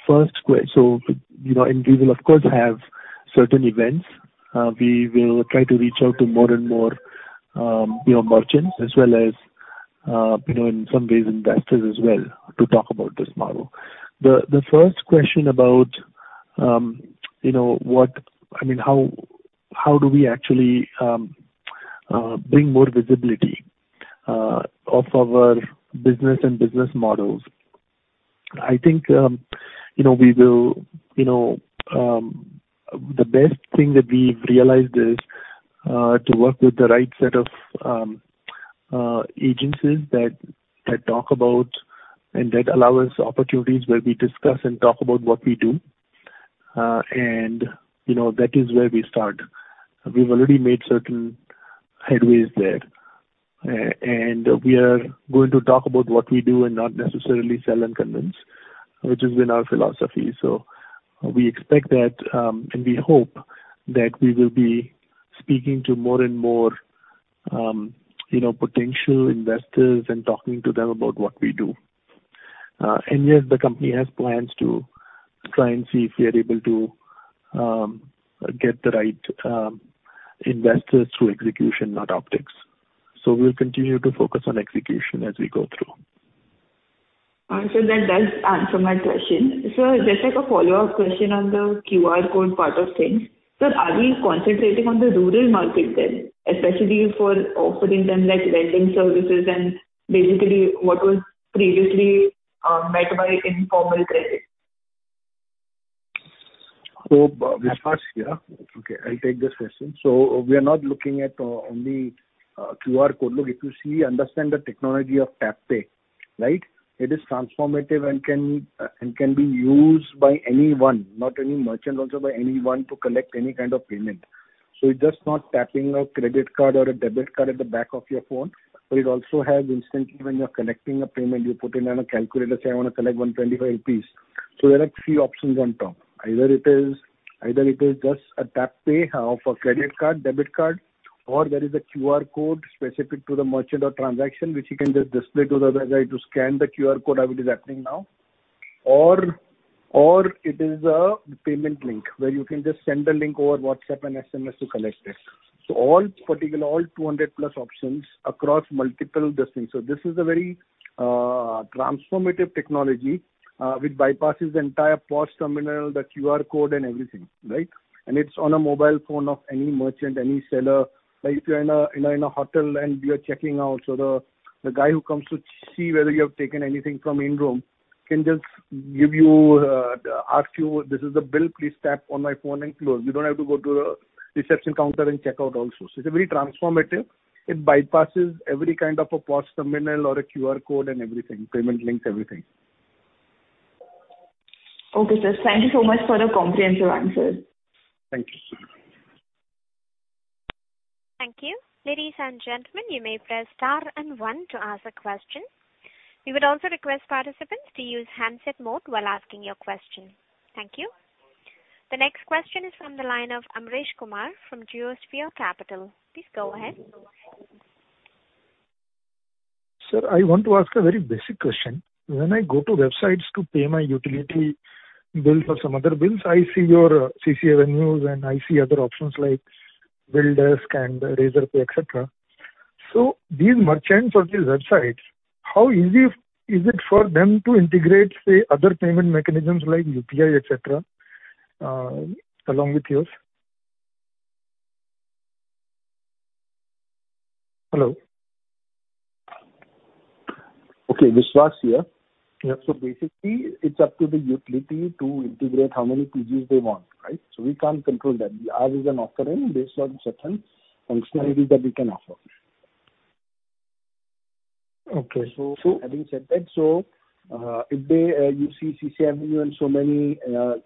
first question, we will of course have certain events. We will try to reach out to more and more, you know, merchants as well as, you know, in some ways investors as well to talk about this model. The first question about, you know, what I mean, how do we actually bring more visibility of our business and business models? I think, you know, we will, you know, the best thing that we've realized is to work with the right set of agencies that talk about and that allow us opportunities where we discuss and talk about what we do. You know, that is where we start. We've already made certain headways there. We are going to talk about what we do and not necessarily sell and convince, which has been our philosophy. We expect that, and we hope that we will be speaking to more and more, you know, potential investors and talking to them about what we do. Yes, the company has plans to try and see if we are able to get the right investors through execution, not optics. We'll continue to focus on execution as we go through. That does answer my question. Sir, just like a follow-up question on the QR code part of things. Sir, are we concentrating on the rural market then, especially for offering them like lending services and basically what was previously met by informal credit? Vishwas here. Okay, I'll take this question. We are not looking at only QR code. Look, if you see, understand the technology of Tap & Pay, right? It is transformative and can be used by anyone, not any merchant, also by anyone to collect any kind of payment. It's just not tapping a credit card or a debit card at the back of your phone, but it also has instantly when you're collecting a payment, you put in on a calculator, say I wanna collect 125 rupees. There are three options on top. Either it is just a Tap & Pay of a credit card, debit card, or there is a QR code specific to the merchant or transaction, which you can just display to the other guy to scan the QR code how it is happening now. It is a payment link where you can just send a link over WhatsApp and SMS to collect it. Particularly, all 200+ options across multiple instances. This is a very transformative technology which bypasses the entire POS terminal, the QR code and everything, right? It's on a mobile phone of any merchant, any seller. Like if you're in a hotel and you are checking out, the guy who comes to see whether you have taken anything from the room can just ask you, "This is the bill. Please tap on my phone and close." You don't have to go to the reception counter and check out also. It's a very transformative. It bypasses every kind of a POS terminal or a QR code and everything, payment links, everything. Okay, sir. Thank you so much for the comprehensive answers. Thank you. Thank you. Ladies and gentlemen, you may press star and one to ask a question. We would also request participants to use handset mode while asking your question. Thank you. The next question is from the line of Amresh Kumar from Geosphere Capital. Please go ahead. Sir, I want to ask a very basic question. When I go to websites to pay my utility bill for some other bills, I see your CCAvenue, and I see other options like BillDesk and Razorpay, et cetera. These merchants or these websites, how easy is it for them to integrate, say, other payment mechanisms like UPI, et cetera, along with yours? Hello. Okay. Vishwas here. Yep. Basically, it's up to the utility to integrate how many PGs they want, right? We can't control that. Ours is an offering based on certain functionalities that we can offer. Okay. Having said that, if they, you see CCAvenue and so many,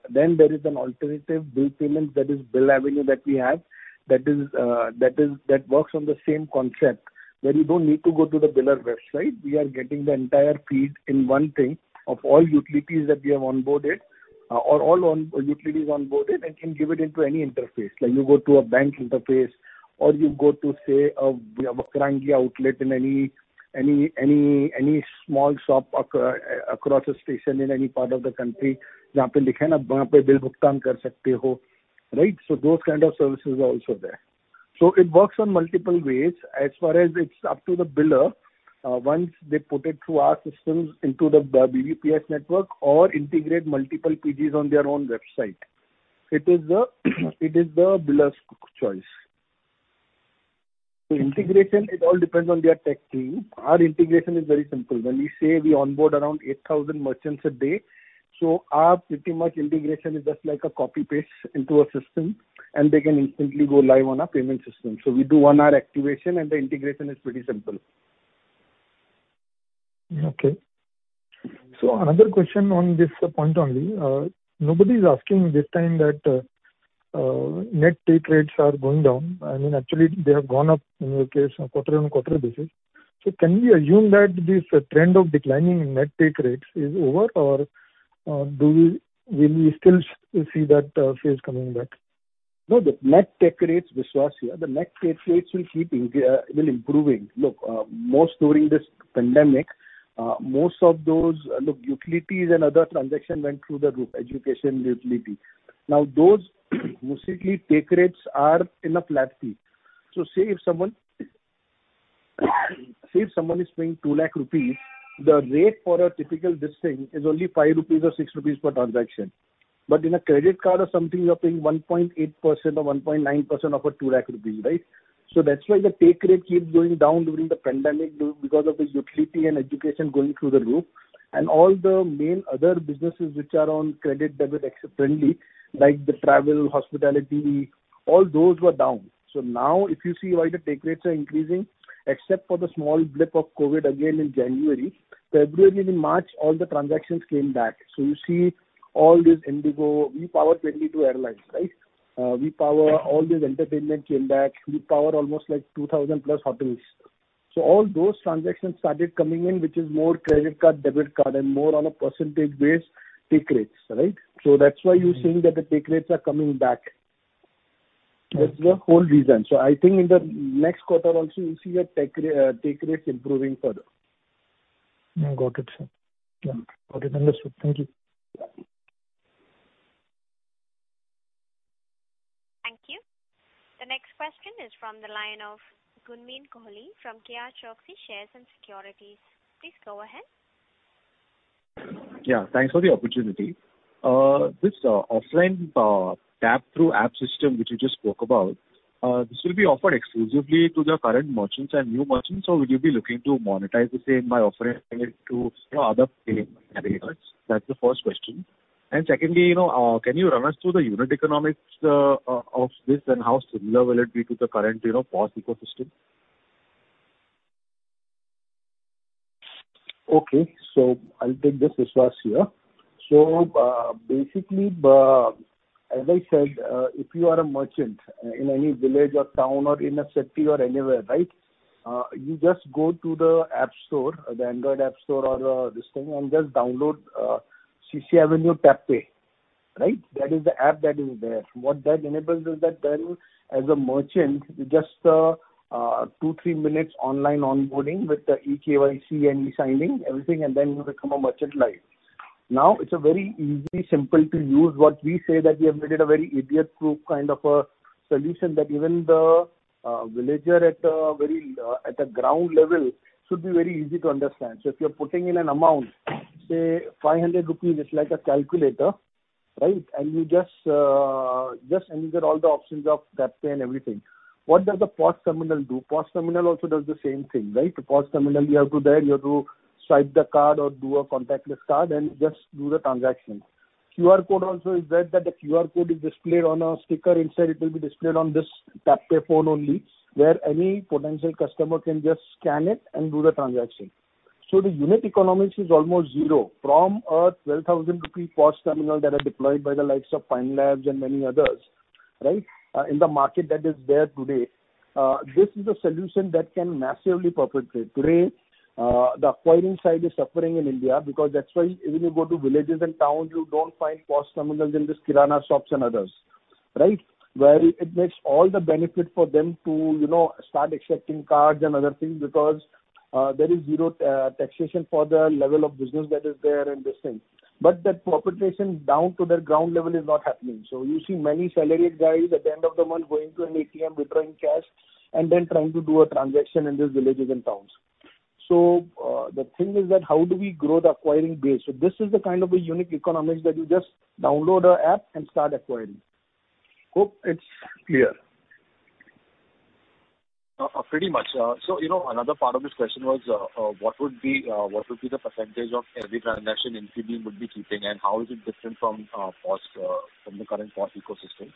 then there is an alternative bill payment that is BillAvenue that we have. That is. That works on the same concept, where you don't need to go to the biller website. We are getting the entire feed in one thing of all utilities that we have onboarded, or all utilities onboarded and can give it into any interface. Like, you go to a bank interface or you go to, say, a Vakrangee outlet in any small shop across a station in any part of the country. Right? Those kind of services are also there. It works on multiple ways. As far as it's up to the biller, once they put it through our systems into the BBPS network or integrate multiple PGs on their own website, it is the biller's choice. The integration, it all depends on their tech team. Our integration is very simple. When we say we onboard around 8,000 merchants a day, so our pretty much integration is just like a copy-paste into our system, and they can instantly go live on our payment system. We do one-hour activation and the integration is pretty simple. Okay. Another question on this point only. Nobody's asking this time that net take rates are going down. I mean, actually, they have gone up in your case on a quarter-over-quarter basis. Can we assume that this trend of declining net take rates is over, or will we still see that phase coming back? No, the net take rates, Vishwas here. The net take rates will keep improving. Look, most of those during this pandemic, look, utilities and other transactions went through the roof, education, utility. Now, those mostly take rates are in a flat fee. So say if someone is paying 2 lakh rupees, the rate for a typical this thing is only 5 rupees or 6 rupees per transaction. But in a credit card or something, you're paying 1.8% or 1.9% of a 2 lakh rupees, right? So that's why the take rate keeps going down during the pandemic due because of the utility and education going through the roof. All the main other businesses which are on credit, debit, acceptance friendly, like the travel, hospitality, all those were down. Now if you see why the take rates are increasing, except for the small blip of COVID again in January, February and in March, all the transactions came back. You see all this IndiGo, we power 22 airlines, right? We power all these entertainment came back. We power almost like 2,000+ hotels. All those transactions started coming in, which is more credit card, debit card, and more on a percentage basis take rates, right? That's why you're seeing that the take rates are coming back. Okay. That's the whole reason. I think in the next quarter also you'll see take rates improving further. Got it, sir. Yeah. Got it. Understood. Thank you. Thank you. The next question is from the line of Gunmeen Kohli from KRChoksey Shares & Securities. Please go ahead. Yeah. Thanks for the opportunity. This offline tap-through app system, which you just spoke about, this will be offered exclusively to the current merchants and new merchants, or will you be looking to monetize the same by offering it to, you know, other payment enablers? That's the first question. Secondly, you know, can you run us through the unit economics of this and how similar will it be to the current, you know, POS ecosystem? Okay. I'll take this. Vishwas here. Basically, as I said, if you are a merchant in any village or town or in a city or anywhere, right? You just go to the App Store, the Android App Store or this thing and just download CCAvenue TapPay, right? That is the app that is there. What that enables is that then as a merchant, just 2-3 minutes online onboarding with the eKYC and e-signing everything, and then you become a merchant live. Now, it's a very easy, simple to use. What we say that we have made it a very idiot-proof kind of a solution that even the villager at the very ground level should be very easy to understand. If you're putting in an amount, say 500 rupees, it's like a calculator, right? You just enter all the options of TapPay and everything. What does the POS terminal do? POS terminal also does the same thing, right? The POS terminal, you have to swipe the card or do a contactless card and just do the transaction. QR code also is there, the QR code is displayed on a sticker. Inside it will be displayed on this TapPay phone only, where any potential customer can just scan it and do the transaction. The unit economics is almost zero. From a 12,000 rupee POS terminal that are deployed by the likes of Pine Labs and many others in the market that is there today, this is a solution that can massively penetrate. Today, the acquiring side is suffering in India because that's why when you go to villages and towns, you don't find POS terminals in these kirana shops and others right. Where it makes all the benefit for them to, you know, start accepting cards and other things because there is zero taxation for the level of business that is there and this thing. That penetration down to their ground level is not happening. You see many salaried guys at the end of the month going to an ATM, withdrawing cash, and then trying to do a transaction in these villages and towns. The thing is that how do we grow the acquiring base? This is the kind of a unique economics that you just download our app and start acquiring. Hope it's clear. Pretty much. So, you know, another part of this question was, what would be the percentage of every transaction Infibeam would be keeping, and how is it different from POS, from the current POS ecosystem?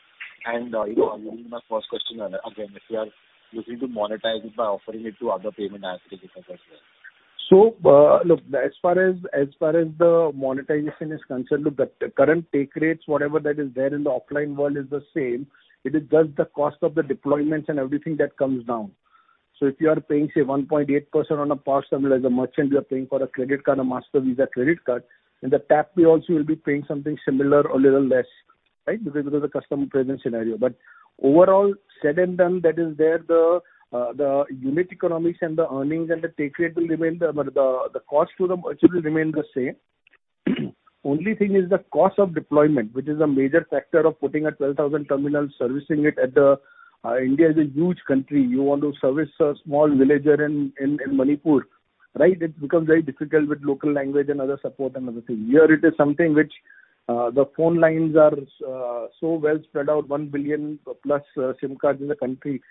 You know, my first question, again, if you are looking to monetize it by offering it to other payment aggregators as well. Look, as far as the monetization is concerned, look, the current take rates, whatever that is there in the offline world is the same. It is just the cost of the deployments and everything that comes down. If you are paying, say, 1.8% on a POS terminal, as a merchant, you are paying for a credit card, a Mastercard Visa credit card, then the TapPay also you'll be paying something similar or a little less, right? Because it is a customer presence scenario. Overall, said and done, that is there the unit economics and the earnings and the take rate will remain the same. The cost to the merchant will remain the same. Only thing is the cost of deployment, which is a major factor of putting a 12,000 terminal, servicing it at the end. India is a huge country. You want to service a small villager in Manipur, right? It becomes very difficult with local language and other support and other things. Here it is something which the phone lines are so well spread out, 1 billion+ SIM cards in the country,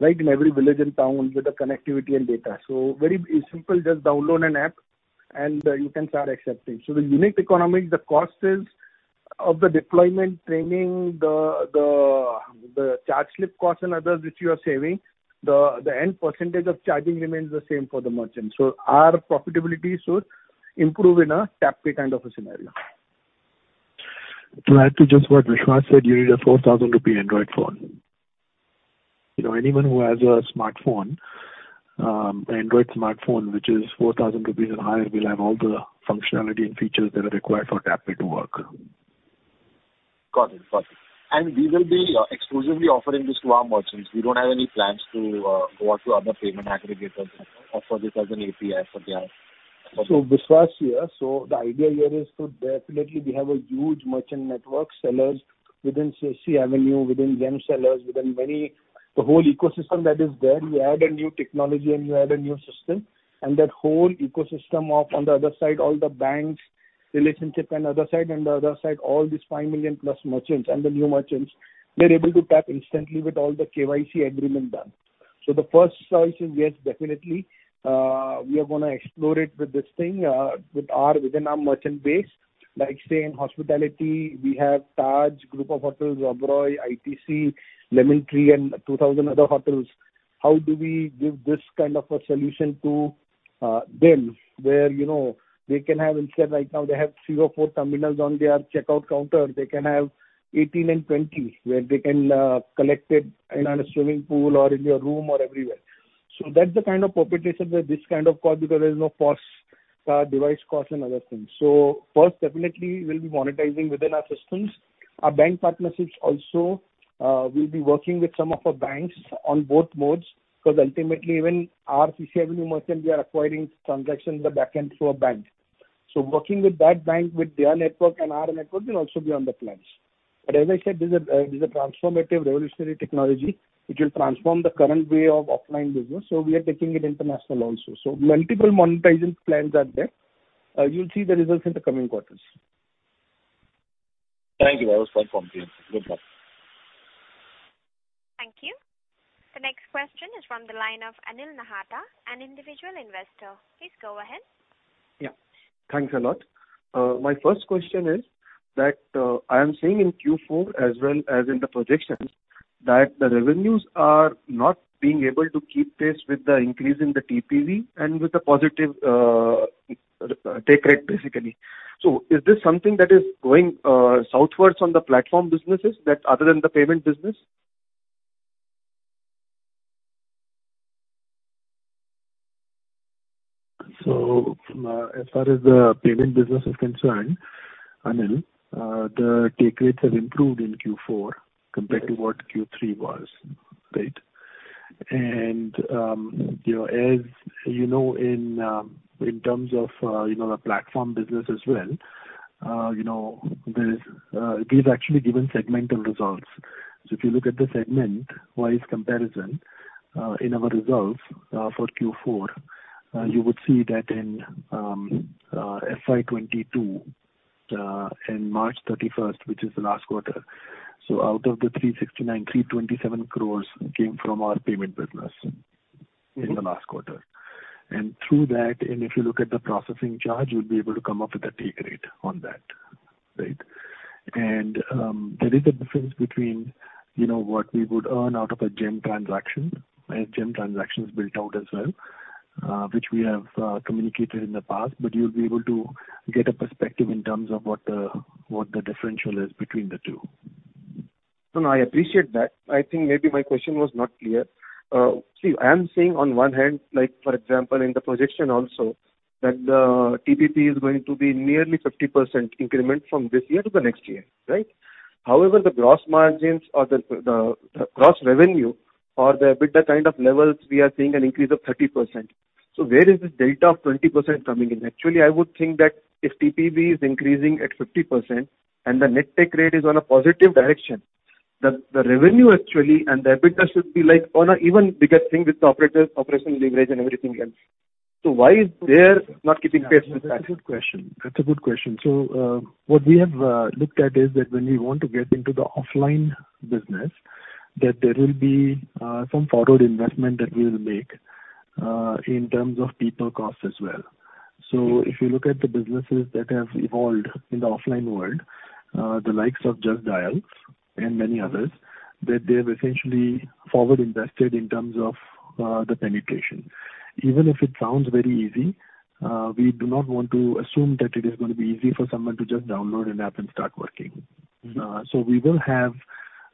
right? In every village and town with the connectivity and data. Very simple, just download an app and you can start accepting. The unique economics, the cost is of the deployment, training the charge slip cost and others which you are saving. The end percentage of charging remains the same for the merchant. Our profitability should improve in a Tap & Pay kind of a scenario. To add to just what Vishwas said, you need an 4,000 rupee Android phone. You know, anyone who has a smartphone, Android smartphone, which is 4,000 rupees or higher, will have all the functionality and features that are required for Tap & Pay to work. Got it. We will be exclusively offering this to our merchants. We don't have any plans to go out to other payment aggregators offer this as an API for them. Vishwas here. The idea here is definitely we have a huge merchant network sellers within CCAvenue, within GeM sellers, within many. The whole ecosystem that is there. You add a new technology and you add a new system and that whole ecosystem on the other side, all the banks relationship and the other side, all these 5 million-plus merchants and the new merchants, they're able to tap instantly with all the KYC agreement done. The first choice is, yes, definitely, we are gonna explore it with this thing, with our, within our merchant base. Like, say, in hospitality, we have Taj Hotels, Oberoi Hotels & Resorts, ITC Hotels, Lemon Tree Hotels, and 2,000 other hotels. How do we give this kind of a solution to them where, you know, they can have instead. Right now they have 3 or 4 terminals on their checkout counter. They can have 18 and 20 where they can collect it in a swimming pool or in your room or everywhere. That's the kind of penetration with this kind of cost because there is no POS device cost and other things. First, definitely we'll be monetizing within our systems. Our bank partnerships also, we'll be working with some of our banks on both modes, because ultimately even our CCAvenue merchant, we are acquiring transactions in the back end through a bank. Working with that bank, with their network and our network will also be on the plans. As I said, this is a transformative, revolutionary technology which will transform the current way of offline business. We are taking it international also. Multiple monetization plans are there. You'll see the results in the coming quarters. Thank you. That was quite comprehensive. Good luck. Thank you. The next question is from the line of Anil Nahata, an individual investor. Please go ahead. Yeah. Thanks a lot. My first question is that I am seeing in Q4 as well as in the projections that the revenues are not being able to keep pace with the increase in the TPV and with the positive take rate, basically. Is this something that is going southwards on the platform businesses other than the payment business? As far as the payment business is concerned, Anil, the take rates have improved in Q4 compared to what Q3 was. Right? You know, as you know, in terms of the platform business as well, you know, we've actually given segmental results. If you look at the segment-wise comparison in our results for Q4, you would see that in FY 2022, in March 31st, which is the last quarter. Out of the 369 crores, 327 crores came from our payment business in the last quarter. Through that, if you look at the processing charge, you'll be able to come up with a take rate on that. Right? There is a difference between, you know, what we would earn out of a GeM transaction as GeM transaction is built out as well, which we have communicated in the past. You'll be able to get a perspective in terms of what the differential is between the two. No, no, I appreciate that. I think maybe my question was not clear. See, I am saying on one hand, like for example, in the projection also that the TPV is going to be nearly 50% increment from this year to the next year, right? However, the gross margins or the gross revenue or the EBITDA kind of levels, we are seeing an increase of 30%. So where is this delta of 20% coming in? Actually, I would think that if TPV is increasing at 50% and the net take rate is on a positive direction, the revenue actually and the EBITDA should be like on an even bigger thing with the operating operational leverage and everything else. Why is there not keeping pace with that? That's a good question. What we have looked at is that when we want to get into the offline business, that there will be some forward investment that we will make in terms of people costs as well. If you look at the businesses that have evolved in the offline world, the likes of Justdial and many others, that they've essentially forward invested in terms of the penetration. Even if it sounds very easy, we do not want to assume that it is gonna be easy for someone to just download an app and start working. Mm-hmm. We will have,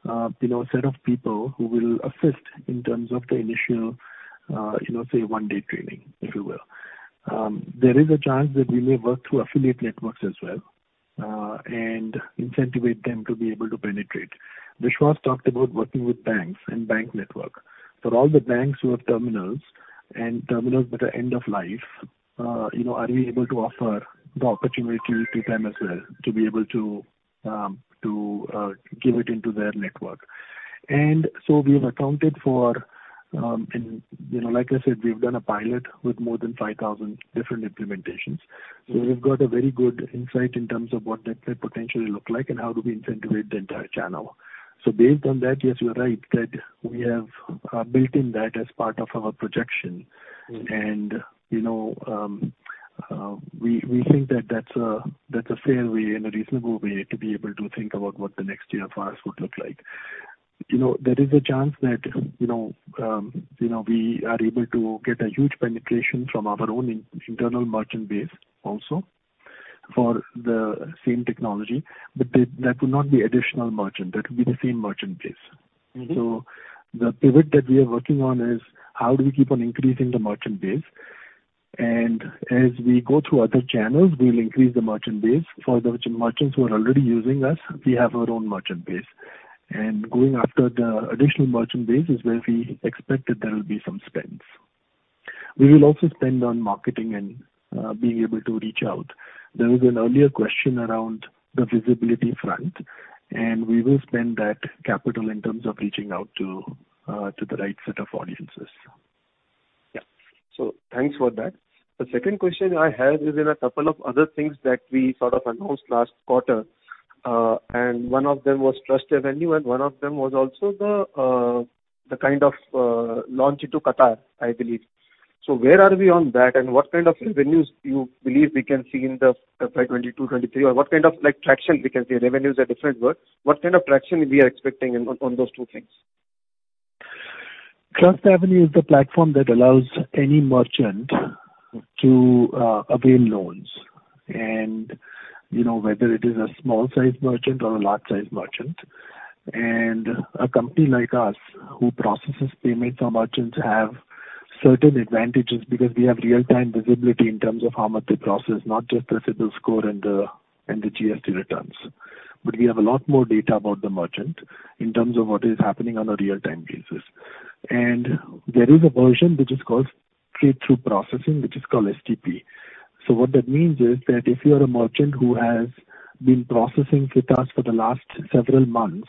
you know, a set of people who will assist in terms of the initial, you know, say, one-day training, if you will. There is a chance that we may work through affiliate networks as well, and incentivize them to be able to penetrate. Vishwas talked about working with banks and bank network. For all the banks who have terminals and terminals that are end of life, you know, are we able to offer the opportunity to them as well to be able to give it into their network. We have accounted for, and you know, like I said, we've done a pilot with more than 5,000 different implementations. We've got a very good insight in terms of what that could potentially look like and how do we incentivize the entire channel. Based on that, yes, you are right that we have built in that as part of our projection. Mm-hmm. You know, we think that that's a fair way and a reasonable way to be able to think about what the next year for us would look like. You know, there is a chance that, you know, we are able to get a huge penetration from our own internal merchant base also for the same technology, but that would not be additional merchant. That would be the same merchant base. Mm-hmm. The pivot that we are working on is how do we keep on increasing the merchant base. As we go through other channels, we'll increase the merchant base. For the merchants who are already using us, we have our own merchant base. Going after the additional merchant base is where we expect that there will be some spends. We will also spend on marketing and being able to reach out. There was an earlier question around the visibility front, and we will spend that capital in terms of reaching out to the right set of audiences. Yeah. Thanks for that. The second question I have is in a couple of other things that we sort of announced last quarter, and one of them was TrustAvenue and one of them was also the kind of launch into Qatar, I believe. Where are we on that, and what kind of revenues you believe we can see in the FY 2022-2023? Or what kind of like traction we can see? Revenues are different, but what kind of traction we are expecting on those two things? TrustAvenue is the platform that allows any merchant to avail loans and whether it is a small-sized merchant or a large-sized merchant. A company like us who processes payments for merchants have certain advantages because we have real-time visibility in terms of how much they process, not just the CIBIL score and the GST returns. We have a lot more data about the merchant in terms of what is happening on a real-time basis. There is a version which is called straight-through processing, which is called STP. What that means is that if you are a merchant who has been processing with us for the last several months,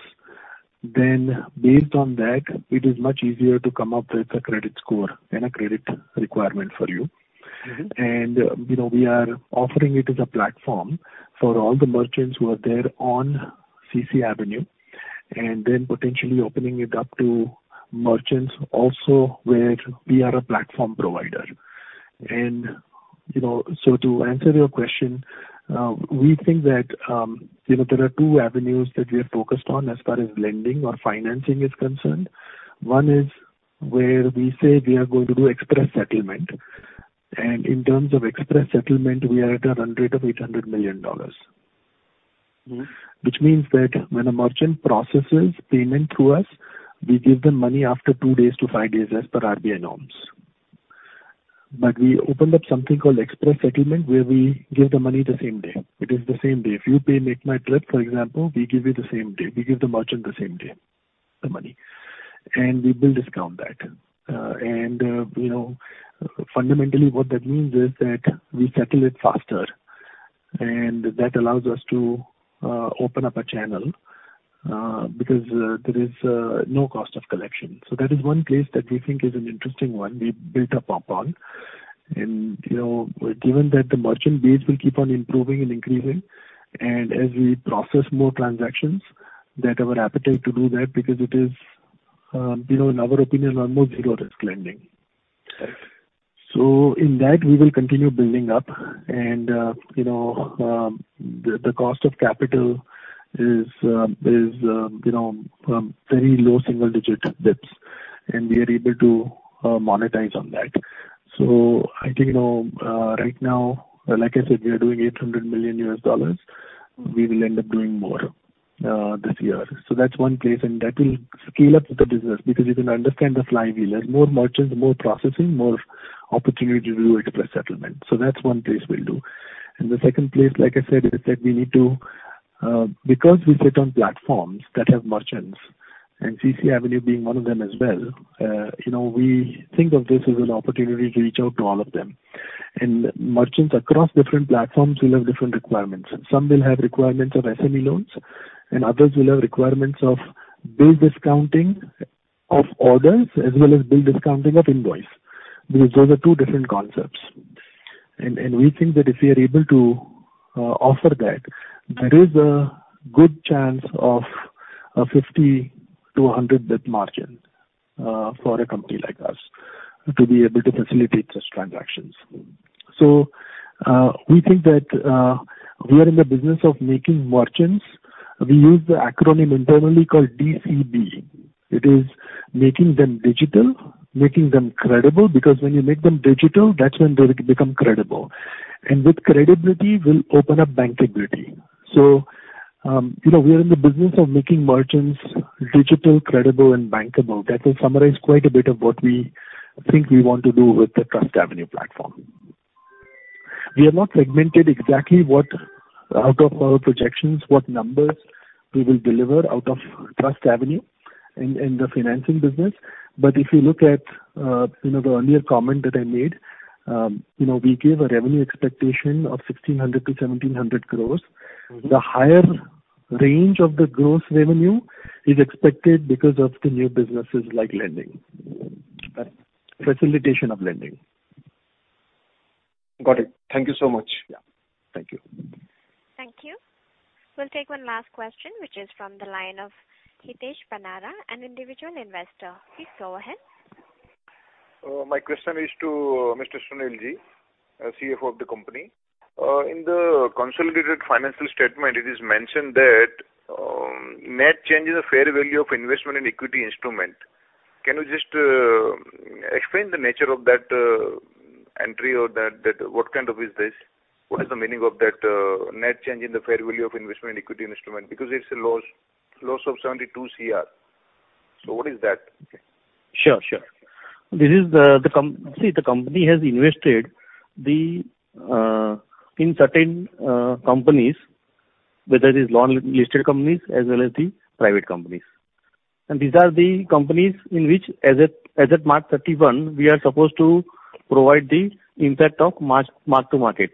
then based on that, it is much easier to come up with a credit score and a credit requirement for you. Mm-hmm. You know, we are offering it as a platform for all the merchants who are there on CCAvenue and then potentially opening it up to merchants also where we are a platform provider. You know, so to answer your question, we think that, you know, there are two avenues that we are focused on as far as lending or financing is concerned. One is where we say we are going to do express settlement. In terms of express settlement, we are at a run rate of $800 million. Mm-hmm. Which means that when a merchant processes payment through us, we give them money after 2 days to 5 days as per RBI norms. We opened up something called express settlement, where we give the money the same day. It is the same day. If you pay MakeMyTrip, for example, we give you the same day. We give the merchant the same day, the money. We will discount that. You know, fundamentally what that means is that we settle it faster, and that allows us to open up a channel because there is no cost of collection. That is one place that we think is an interesting one we built up upon. You know, given that the merchant base will keep on improving and increasing, and as we process more transactions, that our appetite to do that because it is, you know, in our opinion a more zero-risk lending. Right. In that, we will continue building up and you know the cost of capital is you know very low single-digit basis points, and we are able to monetize on that. I think you know right now, like I said, we are doing $800 million. We will end up doing more this year. That's one place, and that will scale up with the business because you can understand the flywheel. More merchants, more processing, more opportunity to do extra settlement. That's one place we'll do. The second place, like I said, is that we need to, because we sit on platforms that have merchants, and CCAvenue being one of them as well, you know, we think of this as an opportunity to reach out to all of them. Merchants across different platforms will have different requirements. Some will have requirements of SME loans, and others will have requirements of bill discounting of orders as well as bill discounting of invoice. Those are two different concepts. We think that if we are able to offer that, there is a good chance of a 50 to 100 bps margin for a company like us to be able to facilitate such transactions. We think that we are in the business of making merchants. We use the acronym internally called DCB. It is making them digital, making them credible, because when you make them digital, that's when they become credible. With credibility will open up bankability. You know, we are in the business of making merchants digital, credible and bankable. That will summarize quite a bit of what we think we want to do with the TrustAvenue platform. We have not segmented exactly what, out of our projections, what numbers we will deliver out of TrustAvenue in the financing business. If you look at, you know, the earlier comment that I made, you know, we gave a revenue expectation of 1,600-1,700 crores. Mm-hmm. The higher range of the gross revenue is expected because of the new businesses like lending. Facilitation of lending. Got it. Thank you so much. Yeah. Thank you. Thank you. We'll take one last question, which is from the line of Hitesh Panara, an individual investor. Please go ahead. My question is to Mr. Sunil Bhagat, CFO of the company. In the consolidated financial statement, it is mentioned that net change in the fair value of investment in equity instrument. Can you just explain the nature of that entry or that what kind of is this? What is the meaning of that net change in the fair value of investment in equity instrument? Because it's a loss of 72 crore. What is that? Sure, sure. This is the company. See, the company has invested in certain companies, whether it is listed companies as well as the private companies. These are the companies in which as at March 31, we are supposed to provide the impact of mark to market.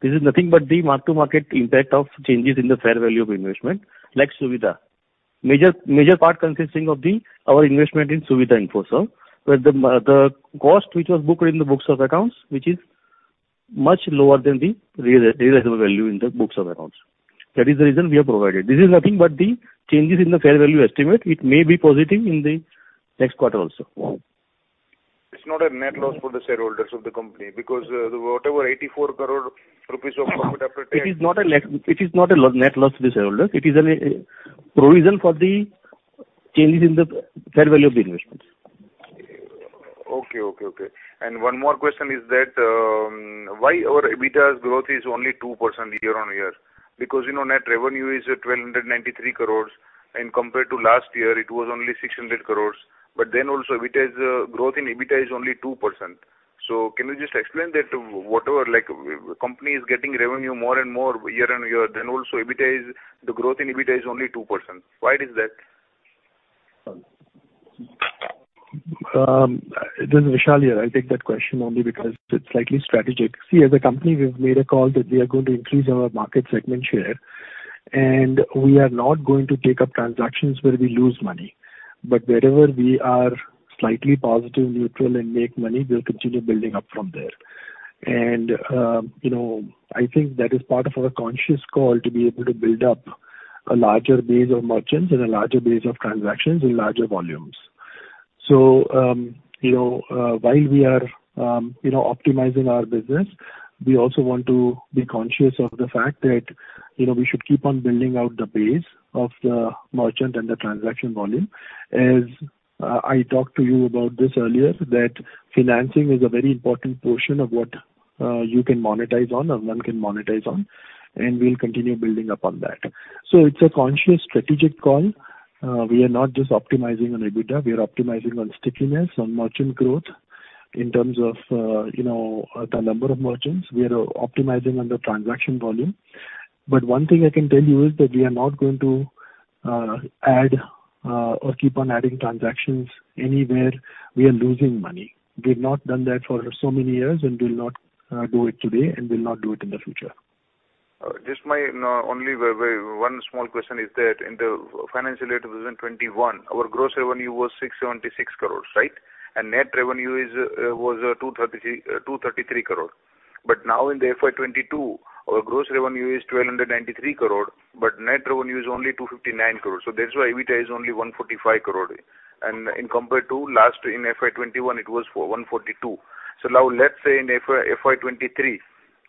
This is nothing but the mark to market impact of changes in the fair value of investment, like Suvidhaa Infoserve. Major part consisting of our investment in Suvidhaa Infoserve, where the cost which was booked in the books of accounts, which is much lower than the realizable value in the books of accounts. That is the reason we have provided. This is nothing but the changes in the fair value estimate. It may be positive in the next quarter also. It's not a net loss for the shareholders of the company because whatever 84 crore rupees of profit after tax. It is not a net loss to the shareholders. It is a provision for the changes in the fair value of the investments. One more question is that, why our EBITDA's growth is only 2% year-on-year? Because, you know, net revenue is at 1,293 crores, and compared to last year, it was only 600 crores. Then also EBITDA's growth in EBITDA is only 2%. Can you just explain that, whatever, like, company is getting revenue more and more year-on-year, then also EBITDA is, the growth in EBITDA is only 2%. Why is that? This is Vishal here. I'll take that question only because it's slightly strategic. See, as a company, we've made a call that we are going to increase our market segment share, and we are not going to take up transactions where we lose money. But wherever we are slightly positive, neutral and make money, we'll continue building up from there. You know, I think that is part of our conscious call to be able to build up a larger base of merchants and a larger base of transactions in larger volumes. You know, while we are, you know, optimizing our business, we also want to be conscious of the fact that, you know, we should keep on building out the base of the merchant and the transaction volume. As I talked to you about this earlier, that financing is a very important portion of what you can monetize on and one can monetize on, and we'll continue building upon that. It's a conscious strategic call. We are not just optimizing on EBITDA, we are optimizing on stickiness, on merchant growth in terms of you know the number of merchants. We are optimizing on the transaction volume. One thing I can tell you is that we are not going to add or keep on adding transactions anywhere we are losing money. We've not done that for so many years and will not do it today and will not do it in the future. Just my only very small one question is that in the financial year 2021, our gross revenue was 676 crore, right? Net revenue was 233 crore. Now in the FY 2022, our gross revenue is 1,293 crore, but net revenue is only 259 crore. That's why EBITDA is only 145 crore. In compared to last in FY 2021, it was 142. Now let's say in FY 2023,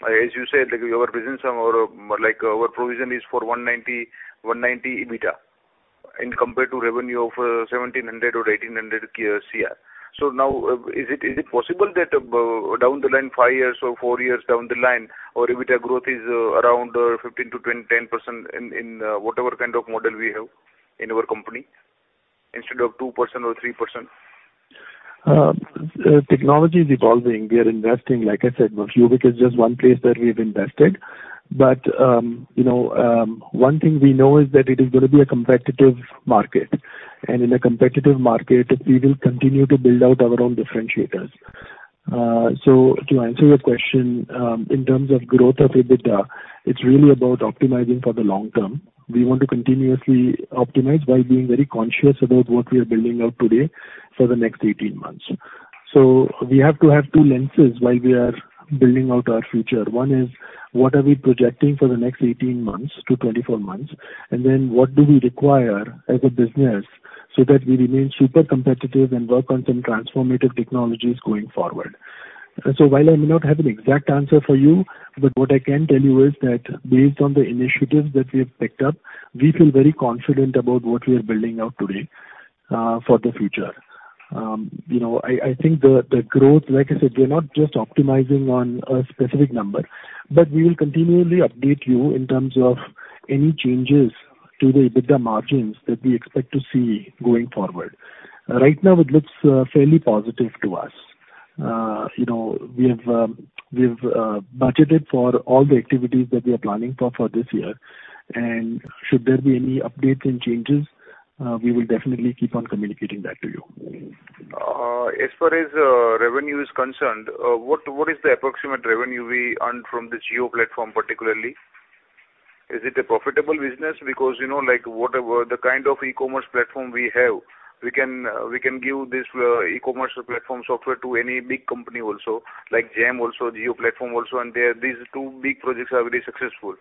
as you said, like your business or more like our provision is for 190 EBITDA compared to revenue of 1,700 or 1,800 crore. Now, is it possible that down the line, 5 years or 4 years down the line, our EBITDA growth is around 15%-10% in whatever kind of model we have in our company instead of 2% or 3%? Technology is evolving. We are investing. Like I said, Mancubec is just one place that we've invested. You know, one thing we know is that it is gonna be a competitive market. In a competitive market, we will continue to build out our own differentiators. To answer your question, in terms of growth of EBITDA, it's really about optimizing for the long term. We want to continuously optimize while being very conscious about what we are building out today for the next 18 months. We have to have two lenses while we are building out our future. One is what are we projecting for the next 18 months to 24 months, and then what do we require as a business so that we remain super competitive and work on some transformative technologies going forward. While I may not have an exact answer for you, but what I can tell you is that based on the initiatives that we have picked up, we feel very confident about what we are building out today, for the future. You know, I think the growth. Like I said, we're not just optimizing on a specific number, but we will continually update you in terms of any changes to the EBITDA margins that we expect to see going forward. Right now, it looks fairly positive to us. You know, we have budgeted for all the activities that we are planning for this year. Should there be any updates and changes, we will definitely keep on communicating that to you. As far as revenue is concerned, what is the approximate revenue we earn from the GeM platform particularly? Is it a profitable business? Because, you know, like, whatever the kind of e-commerce platform we have, we can give this e-commerce platform software to any big company also, like GeM also, GeM platform also. These two big projects are very successful.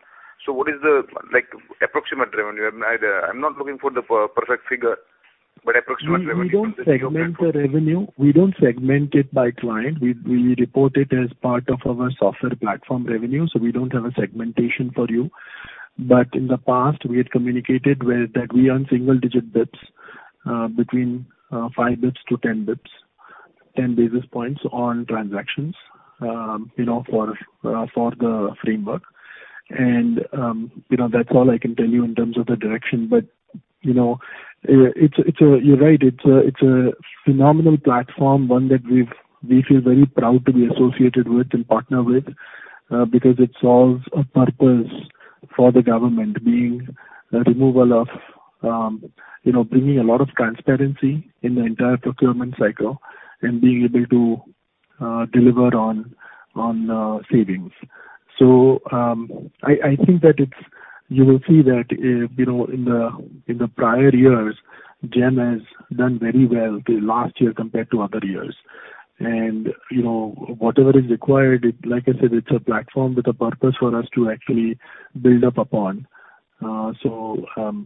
What is the, like, approximate revenue? I'm not looking for the perfect figure, but approximate revenue from the GeM platform. We don't segment the revenue. We don't segment it by client. We report it as part of our software platform revenue, so we don't have a segmentation for you. In the past, we had communicated well that we earn single digit basis points between 5-10 basis points on transactions, you know, for the framework. You know, that's all I can tell you in terms of the direction. You know, it's a. You're right. It's a phenomenal platform, one that we feel very proud to be associated with and partner with, because it solves a purpose for the government, being the removal of, you know, bringing a lot of transparency in the entire procurement cycle and being able to deliver on savings. I think that it's. You will see that in the prior years, GeM has done very well the last year compared to other years. Whatever is required, it. Like I said, it's a platform with a purpose for us to actually build up upon.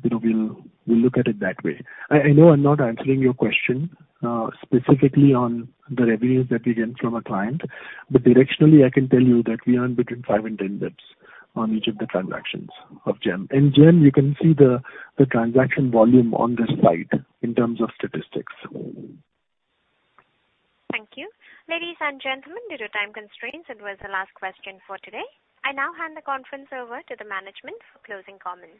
We'll look at it that way. I know I'm not answering your question specifically on the revenues that we get from a client, but directionally I can tell you that we earn between 5 and 10 basis points on each of the transactions of GeM. In GeM, you can see the transaction volume on the site in terms of statistics. Thank you. Ladies and gentlemen, due to time constraints, that was the last question for today. I now hand the conference over to the management for closing comments.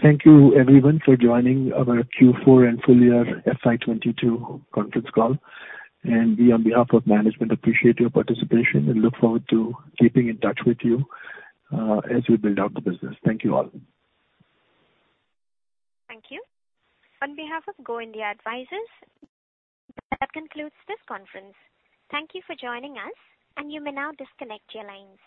Thank you everyone for joining our Q4 and full year FY 2022 conference call. We, on behalf of management, appreciate your participation and look forward to keeping in touch with you, as we build out the business. Thank you all. Thank you. On behalf of Go India Advisors, that concludes this conference. Thank you for joining us, and you may now disconnect your lines.